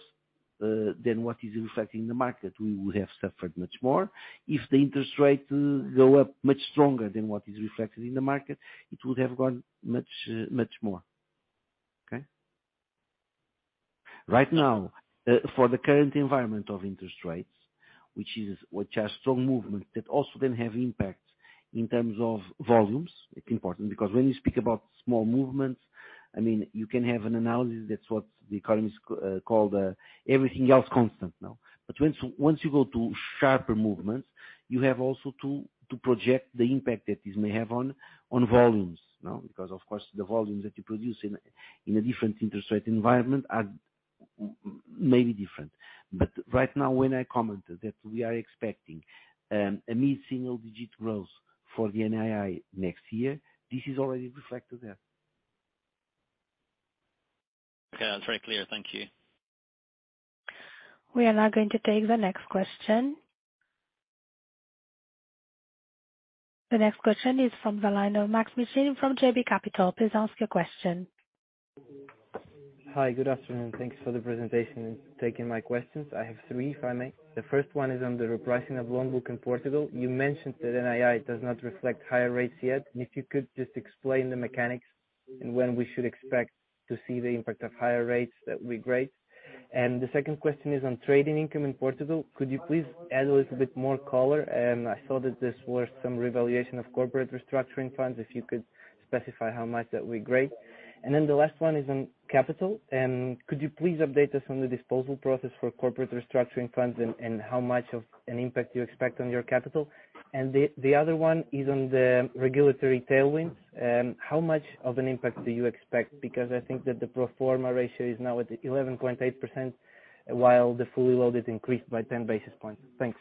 than what is reflected in the market, we would have suffered much more. If the interest rate go up much stronger than what is reflected in the market, it would have gone much more. Okay? Right now, for the current environment of interest rates which has strong movement that also then have impact in terms of volumes. It's important because when you speak about small movements, I mean, you can have an analysis, that's what the economists call ceteris paribus, all else constant. Once you go to sharper movements, you have also to project the impact that this may have on volumes, you know, because of course, the volumes that you produce in a different interest rate environment may be different. Right now, when I commented that we are expecting a mid-single-digit growth for the NII next year, this is already reflected there. Okay, that's very clear. Thank you. We are now going to take the next question. The next question is from the line of Maksym Mishyn from JB Capital. Please ask your question. Hi, good afternoon. Thanks for the presentation and taking my questions. I have three, if I may. The first one is on the repricing of loan book in Portugal. You mentioned that NII does not reflect higher rates yet. If you could just explain the mechanics and when we should expect to see the impact of higher rates, that'd be great. The second question is on trading income in Portugal. Could you please add a little bit more color? I saw that this was some revaluation of corporate restructuring funds, if you could specify how much that would be great. The last one is on capital. Could you please update us on the disposal process for corporate restructuring funds and how much of an impact you expect on your capital? The other one is on the regulatory tailwind. How much of an impact do you expect? Because I think that the pro forma ratio is now at 11.8%, while the fully loaded increased by 10 basis points. Thanks.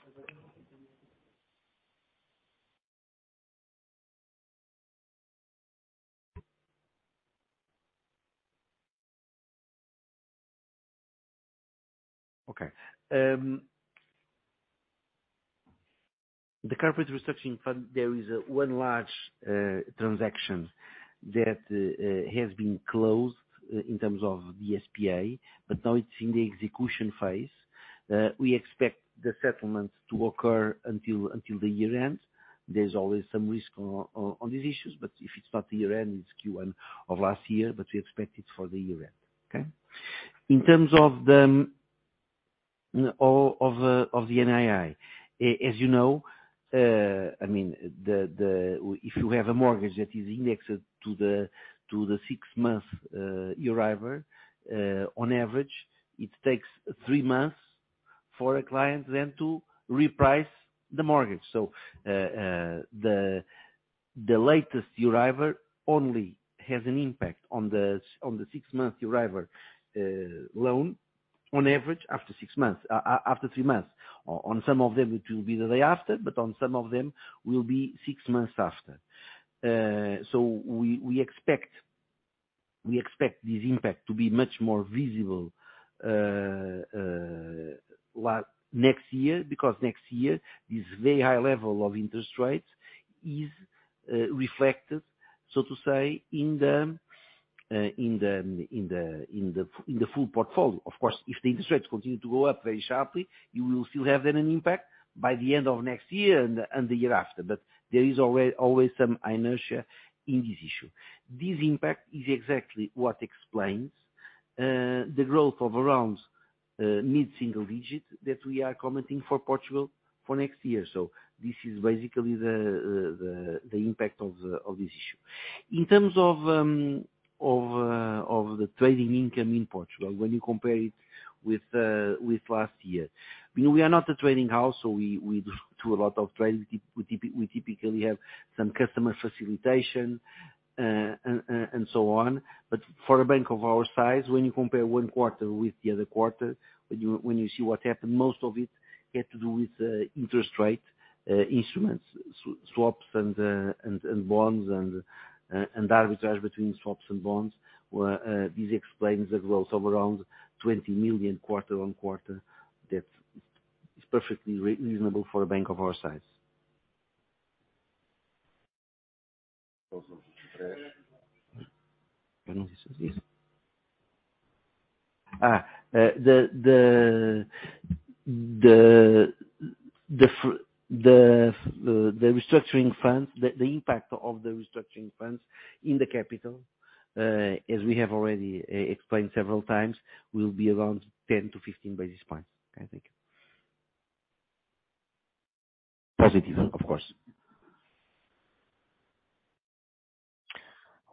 Okay. The corporate restructuring fund, there is one large transaction that has been closed in terms of the SPA, but now it's in the execution phase. We expect the settlements to occur until the year end. There's always some risk on these issues, but if it's not the year end, it's Q1 of last year, but we expect it for the year end. Okay? In terms of all of the NII, as you know, I mean, if you have a mortgage that is indexed to the six-month Euribor, on average, it takes three months for a client then to reprice the mortgage. The latest Euribor only has an impact on the six-month Euribor loan on average, after six months, after three months. On some of them, it will be the day after, but on some of them will be six months after. We expect this impact to be much more visible next year, because next year, this very high level of interest rates is reflected, so to say, in the full portfolio. Of course, if the interest rates continue to go up very sharply, you will still have an impact by the end of next year and the year after. There is always some inertia in this issue. This impact is exactly what explains the growth of around mid-single digits that we are commenting for Portugal for next year. This is basically the impact of this issue. In terms of the trading income in Portugal when you compare it with last year. You know, we are not a trading house, so we do a lot of trades. We typically have some customer facilitation, and so on. For a bank of our size, when you compare one quarter with the other quarter, when you see what happened, most of it had to do with interest rate instruments, swaps and bonds and arbitrage between swaps and bonds. Where this explains the growth of around 20 million quarter-on-quarter. That's, it's perfectly reasonable for a bank of our size. The restructuring funds, the impact of the restructuring funds in the capital, as we have already explained several times, will be around 10-15 basis points, I think. Positive, of course.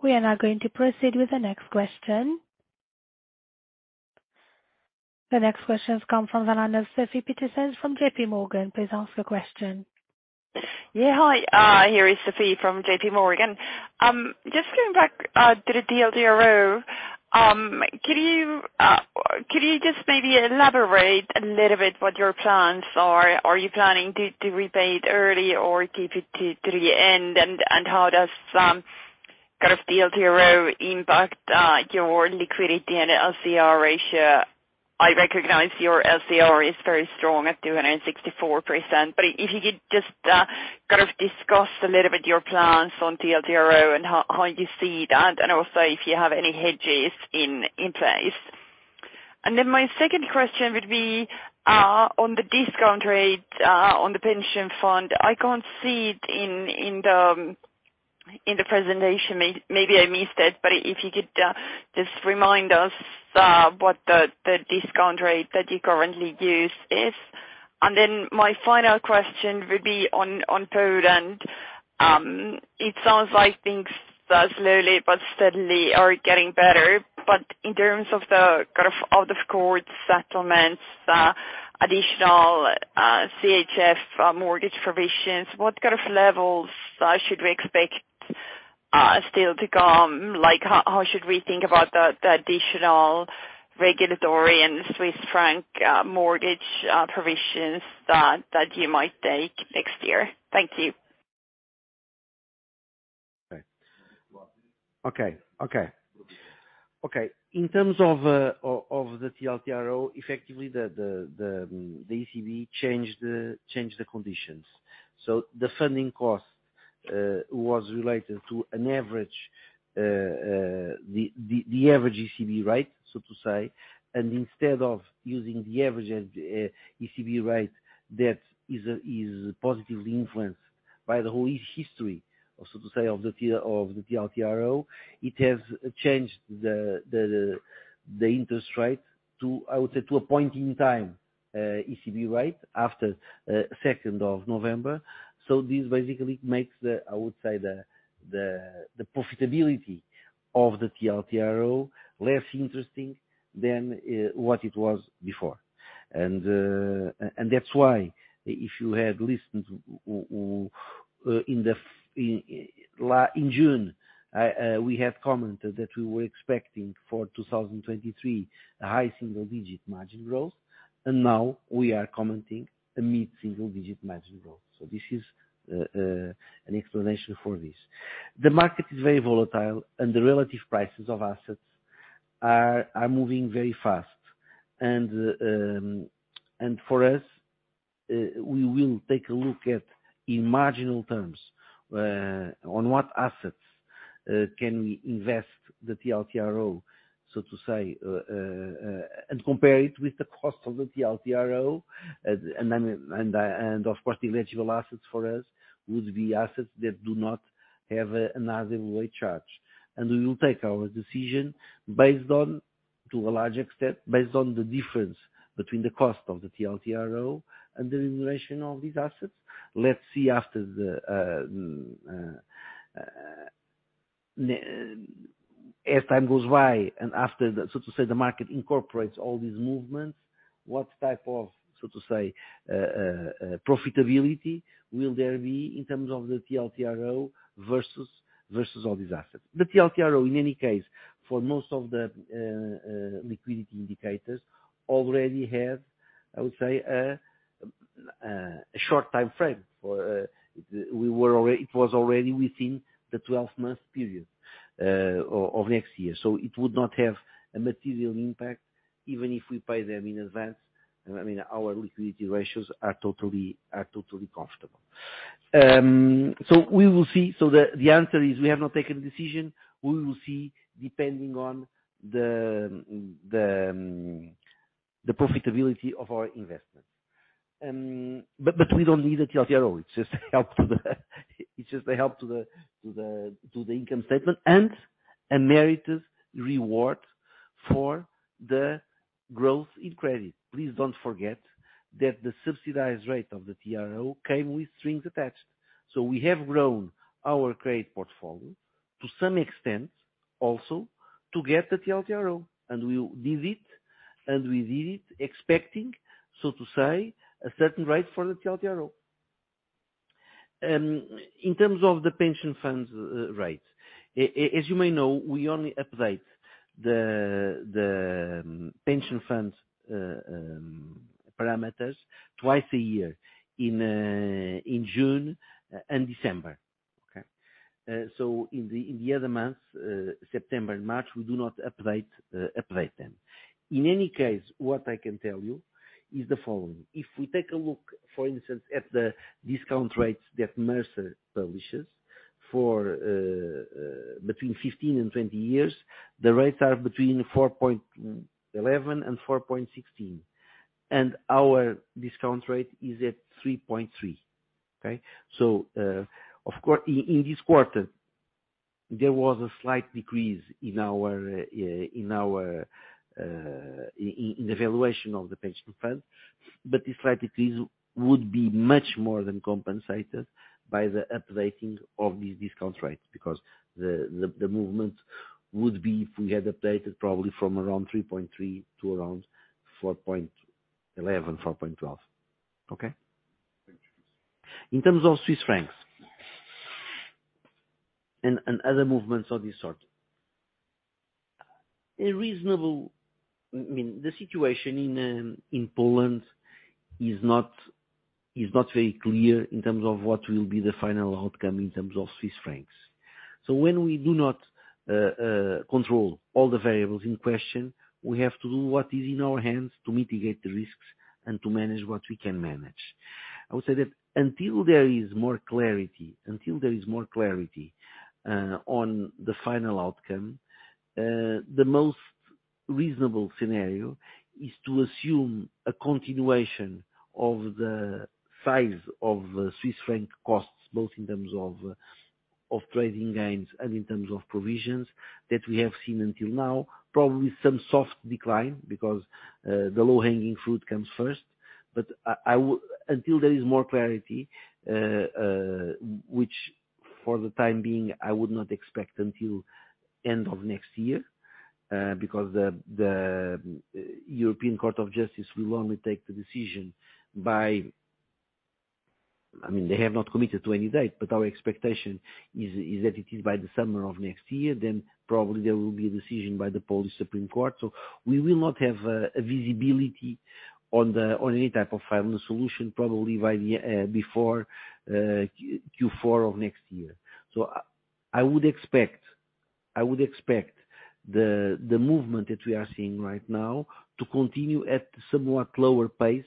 We are now going to proceed with the next question. The next question comes from the line of Sofie Peterzens from JPMorgan. Please ask your question. Hi, here is Sofie Peterzens from JPMorgan. Just going back to the TLTRO, can you just maybe elaborate a little bit what your plans are? Are you planning to repay it early or keep it to the end? How does kind of TLTRO impact your liquidity and LCR ratio? I recognize your LCR is very strong at 264%, but if you could just kind of discuss a little bit your plans on TLTRO and how you see that, and also if you have any hedges in place. Then my second question would be on the discount rate on the pension fund. I can't see it in the presentation, maybe I missed it, but if you could just remind us what the discount rate that you currently use is. My final question will be on Poland. It sounds like things are slowly but steadily getting better. In terms of the kind of out of court settlements, additional CHF mortgage provisions, what kind of levels should we expect still to come? Like, how should we think about the additional regulatory and Swiss franc mortgage provisions that you might take next year? Thank you. In terms of the TLTRO, effectively, the ECB changed the conditions. The funding cost was related to an average ECB rate, right, so to say, and instead of using the average ECB rate that is positively influenced by the whole history, so to say, of the TLTRO, it has changed the interest rate to, I would say, a point in time ECB rate after the second of November. This basically makes the profitability of the TLTRO less interesting than what it was before. That's why if you had listened in June, we had commented that we were expecting for 2023 a high single-digit margin growth, and now we are commenting a mid-single-digit margin growth. This is an explanation for this. The market is very volatile and the relative prices of assets are moving very fast. For us, we will take a look at in marginal terms on what assets can we invest the TLTRO, so to say, and compare it with the cost of the TLTRO. Of course, the eligible assets for us would be assets that do not have an RWA charge. We will take our decision based on, to a large extent, based on the difference between the cost of the TLTRO and the remuneration of these assets. Let's see as time goes by and after the, so to say, the market incorporates all these movements, what type of, so to say, profitability will there be in terms of the TLTRO versus all these assets. The TLTRO, in any case, for most of the liquidity indicators already have, I would say, a short time frame for, it was already within the twelve-month period of next year. It would not have a material impact even if we pay them in advance. I mean, our liquidity ratios are totally comfortable. We will see. The answer is we have not taken a decision. We will see, depending on the profitability of our investments. We don't need a TLTRO. It just helps to the income statement and a merited reward for the growth in credit. Please don't forget that the subsidized rate of the TLTRO came with strings attached. We have grown our credit portfolio to some extent also to get the TLTRO. We did it expecting, so to say, a certain rate for the TLTRO. In terms of the pension funds rate, as you may know, we only update the pension funds parameters twice a year in June and December. Okay? In the other months, September and March, we do not update them. In any case, what I can tell you is the following. If we take a look, for instance, at the discount rates that Mercer publishes for between 15 and 20 years, the rates are between 4.11% and 4.16%, and our discount rate is at 3.3%. Okay? In this quarter, there was a slight decrease in our valuation of the pension fund. This slight decrease would be much more than compensated by the updating of these discount rates, because the movement would be if we had updated probably from around 3.3% to around 4.11%, 4.12%. Okay? In terms of Swiss francs and other movements of this sort, a reasonable I mean the situation in Poland is not very clear in terms of what will be the final outcome in terms of Swiss francs. When we do not control all the variables in question, we have to do what is in our hands to mitigate the risks and to manage what we can manage. I would say that until there is more clarity on the final outcome, the most reasonable scenario is to assume a continuation of the size of Swiss franc costs, both in terms of trading gains and in terms of provisions that we have seen until now. Probably some soft decline because the low-hanging fruit comes first. Until there is more clarity, which for the time being, I would not expect until end of next year, because the European Court of Justice will only take the decision by. I mean, they have not committed to any date, but our expectation is that it is by the summer of next year, then probably there will be a decision by the Polish Supreme Court. We will not have a visibility on any type of final solution, probably before Q4 of next year. I would expect the movement that we are seeing right now to continue at somewhat lower pace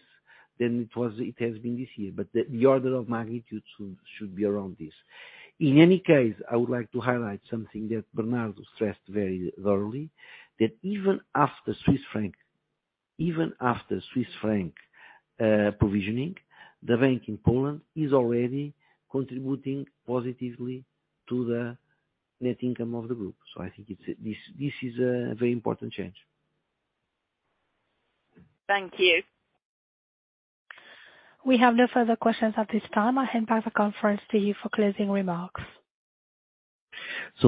than it has been this year. The order of magnitude should be around this. In any case, I would like to highlight something that Bernardo stressed very thoroughly, that even after Swiss franc provisioning, the bank in Poland is already contributing positively to the net income of the group. I think this is a very important change. Thank you. We have no further questions at this time. I hand back the conference to you for closing remarks.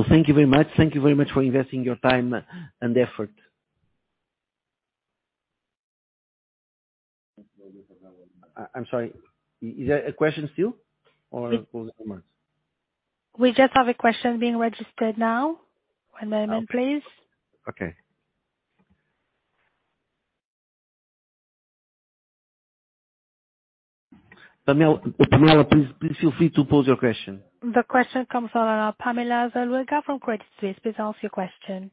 Thank you very much. Thank you very much for investing your time and effort. I'm sorry. Is there a question still or closing remarks? We just have a question being registered now. One moment, please. Okay. Pamela, please feel free to pose your question. The question comes from, Pamela Zuluaga from Credit Suisse. Please ask your question.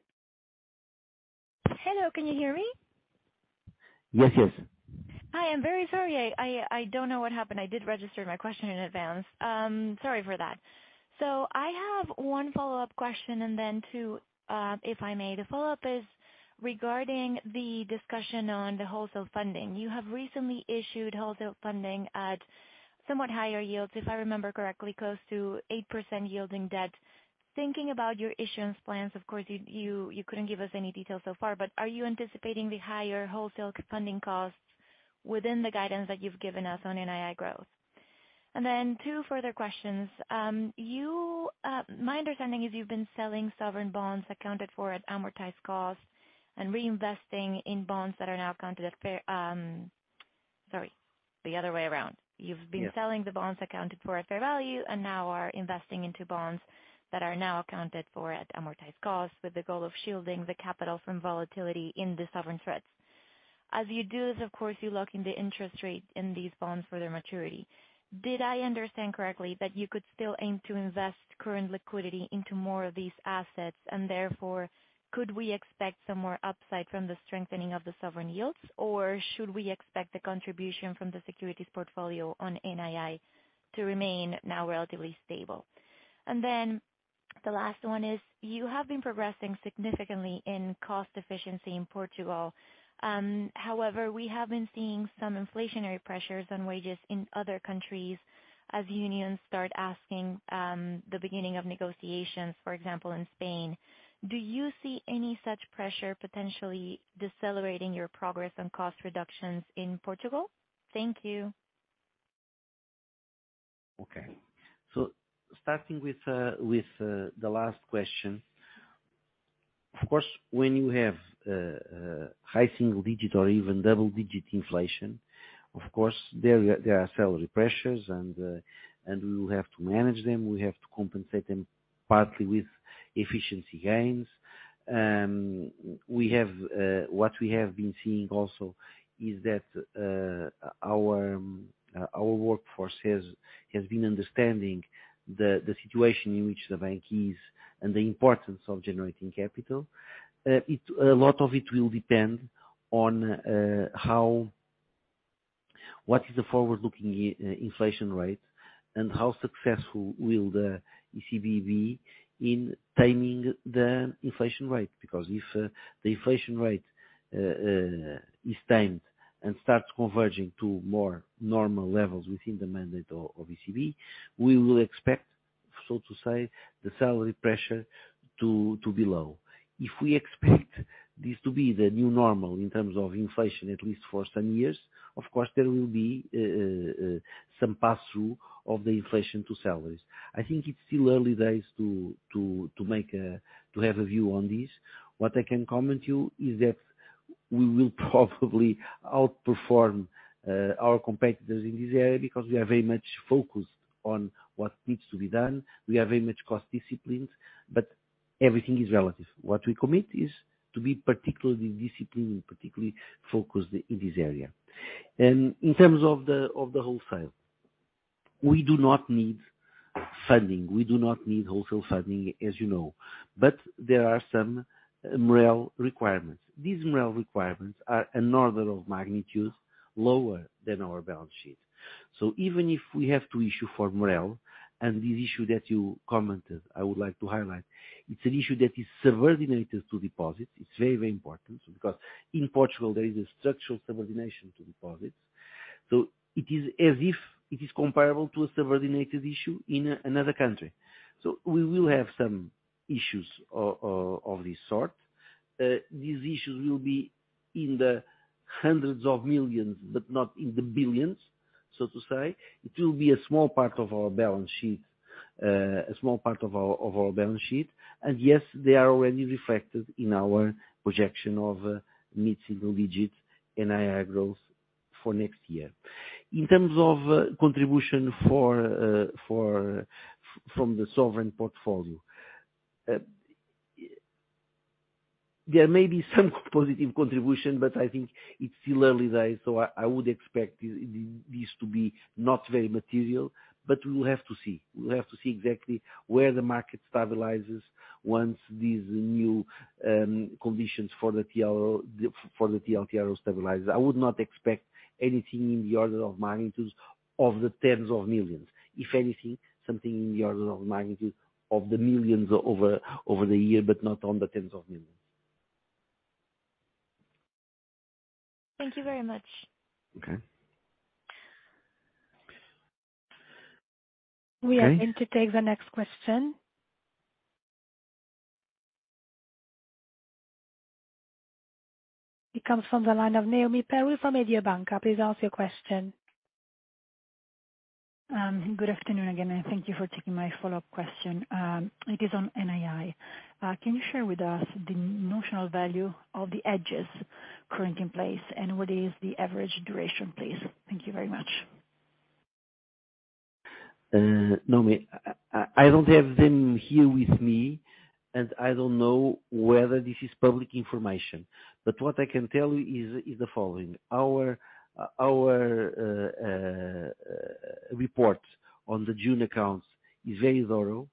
Hello, can you hear me? Yes, yes. Hi, I'm very sorry. I don't know what happened. I did register my question in advance. Sorry for that. I have one follow-up question and then two, if I may. The follow-up is regarding the discussion on the wholesale funding. You have recently issued wholesale funding at somewhat higher yields, if I remember correctly, close to 8% yielding debt. Thinking about your issuance plans, of course, you couldn't give us any details so far, but are you anticipating the higher wholesale funding costs within the guidance that you've given us on NII growth? Two further questions. My understanding is you've been selling sovereign bonds accounted for at amortized cost and reinvesting in bonds that are now accounted at fair value. Sorry, the other way around. You've been Yeah. -selling the bonds accounted for at fair value and now are investing into bonds that are now accounted for at amortized cost with the goal of shielding the capital from volatility in the sovereign spreads. As you do this, of course, you lock in the interest rate in these bonds for their maturity. Did I understand correctly that you could still aim to invest current liquidity into more of these assets? And therefore, could we expect some more upside from the strengthening of the sovereign yields, or should we expect the contribution from the securities portfolio on NII to remain now relatively stable? And then the last one is, you have been progressing significantly in cost efficiency in Portugal. However, we have been seeing some inflationary pressures on wages in other countries as unions start asking, the beginning of negotiations, for example, in Spain. Do you see any such pressure potentially decelerating your progress on cost reductions in Portugal? Thank you. Okay. Starting with the last question. Of course, when you have high single digit or even double-digit inflation, of course there are salary pressures and we will have to manage them. We have to compensate them partly with efficiency gains. What we have been seeing also is that our workforce has been understanding the situation in which the bank is and the importance of generating capital. A lot of it will depend on what is the forward-looking inflation rate and how successful will the ECB be in taming the inflation rate? Because if the inflation rate is tamed and starts converging to more normal levels within the mandate of ECB, we will expect, so to say, the salary pressure to be low. If we expect this to be the new normal in terms of inflation, at least for some years, of course there will be some pass-through of the inflation to salaries. I think it's still early days to have a view on this. What I can comment you is that we will probably outperform our competitors in this area because we are very much focused on what needs to be done. We are very much cost disciplined, but everything is relative. What we commit is to be particularly disciplined and particularly focused in this area. In terms of the wholesale, we do not need funding. We do not need wholesale funding, as you know. There are some MREL requirements. These MREL requirements are an order of magnitude lower than our balance sheet. Even if we have to issue for MREL and the issue that you commented, I would like to highlight, it's an issue that is subordinated to deposits. It's very, very important because in Portugal there is a structural subordination to deposits. It is as if it is comparable to a subordinated issue in another country. We will have some issues of this sort. These issues will be in the hundreds of millions, but not in the billions, so to say. It will be a small part of our balance sheet. Yes, they are already reflected in our projection of mid-single digits NII growth for next year. In terms of contribution from the sovereign portfolio, there may be some positive contribution, but I think it's still early days, so I would expect this to be not very material. We will have to see. We will have to see exactly where the market stabilizes once these new conditions for the TLTRO stabilize. I would not expect anything in the order of magnitude of the tens of millions. If anything, something in the order of magnitude of the millions over the year, but not in the tens of millions. Thank you very much. Okay. We are going to take the next question. It comes from the line of Noemi Peruch from Mediobanca. Please ask your question. Good afternoon again, and thank you for taking my follow-up question. It is on NII. Can you share with us the notional value of the hedges currently in place, and what is the average duration, please? Thank you very much. Noemi, I don't have them here with me, and I don't know whether this is public information, but what I can tell you is the following. Our report on the June accounts is very thorough,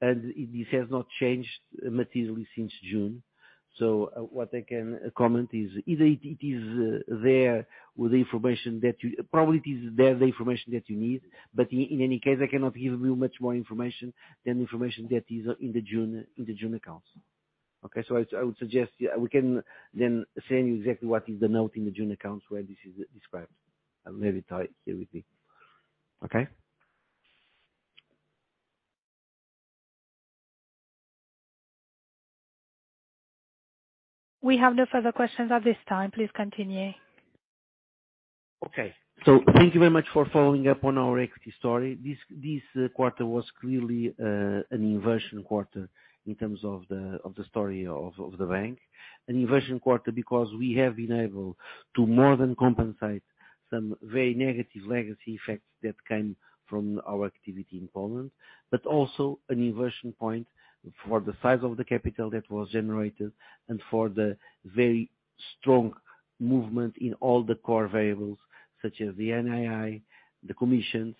and this has not changed materially since June. What I can comment is either it is there with the information that you, probably it is there, the information that you need. In any case, I cannot give you much more information than the information that is in the June accounts. Okay? I would suggest we can then send you exactly what is the note in the June accounts where this is described. I don't have it here with me. Okay? We have no further questions at this time. Please continue. Okay. Thank you very much for following up on our equity story. This quarter was clearly an inversion quarter in terms of the story of the bank. An inversion quarter because we have been able to more than compensate some very negative legacy effects that came from our activity in Poland, but also an inversion point for the size of the capital that was generated and for the very strong movement in all the core variables such as the NII, the commissions,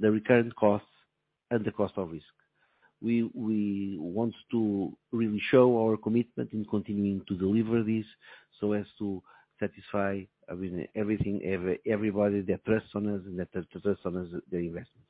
the recurrent costs, and the cost of risk. We want to really show our commitment in continuing to deliver this so as to satisfy, I mean, everybody that trusts on us and that trusts on us their investments.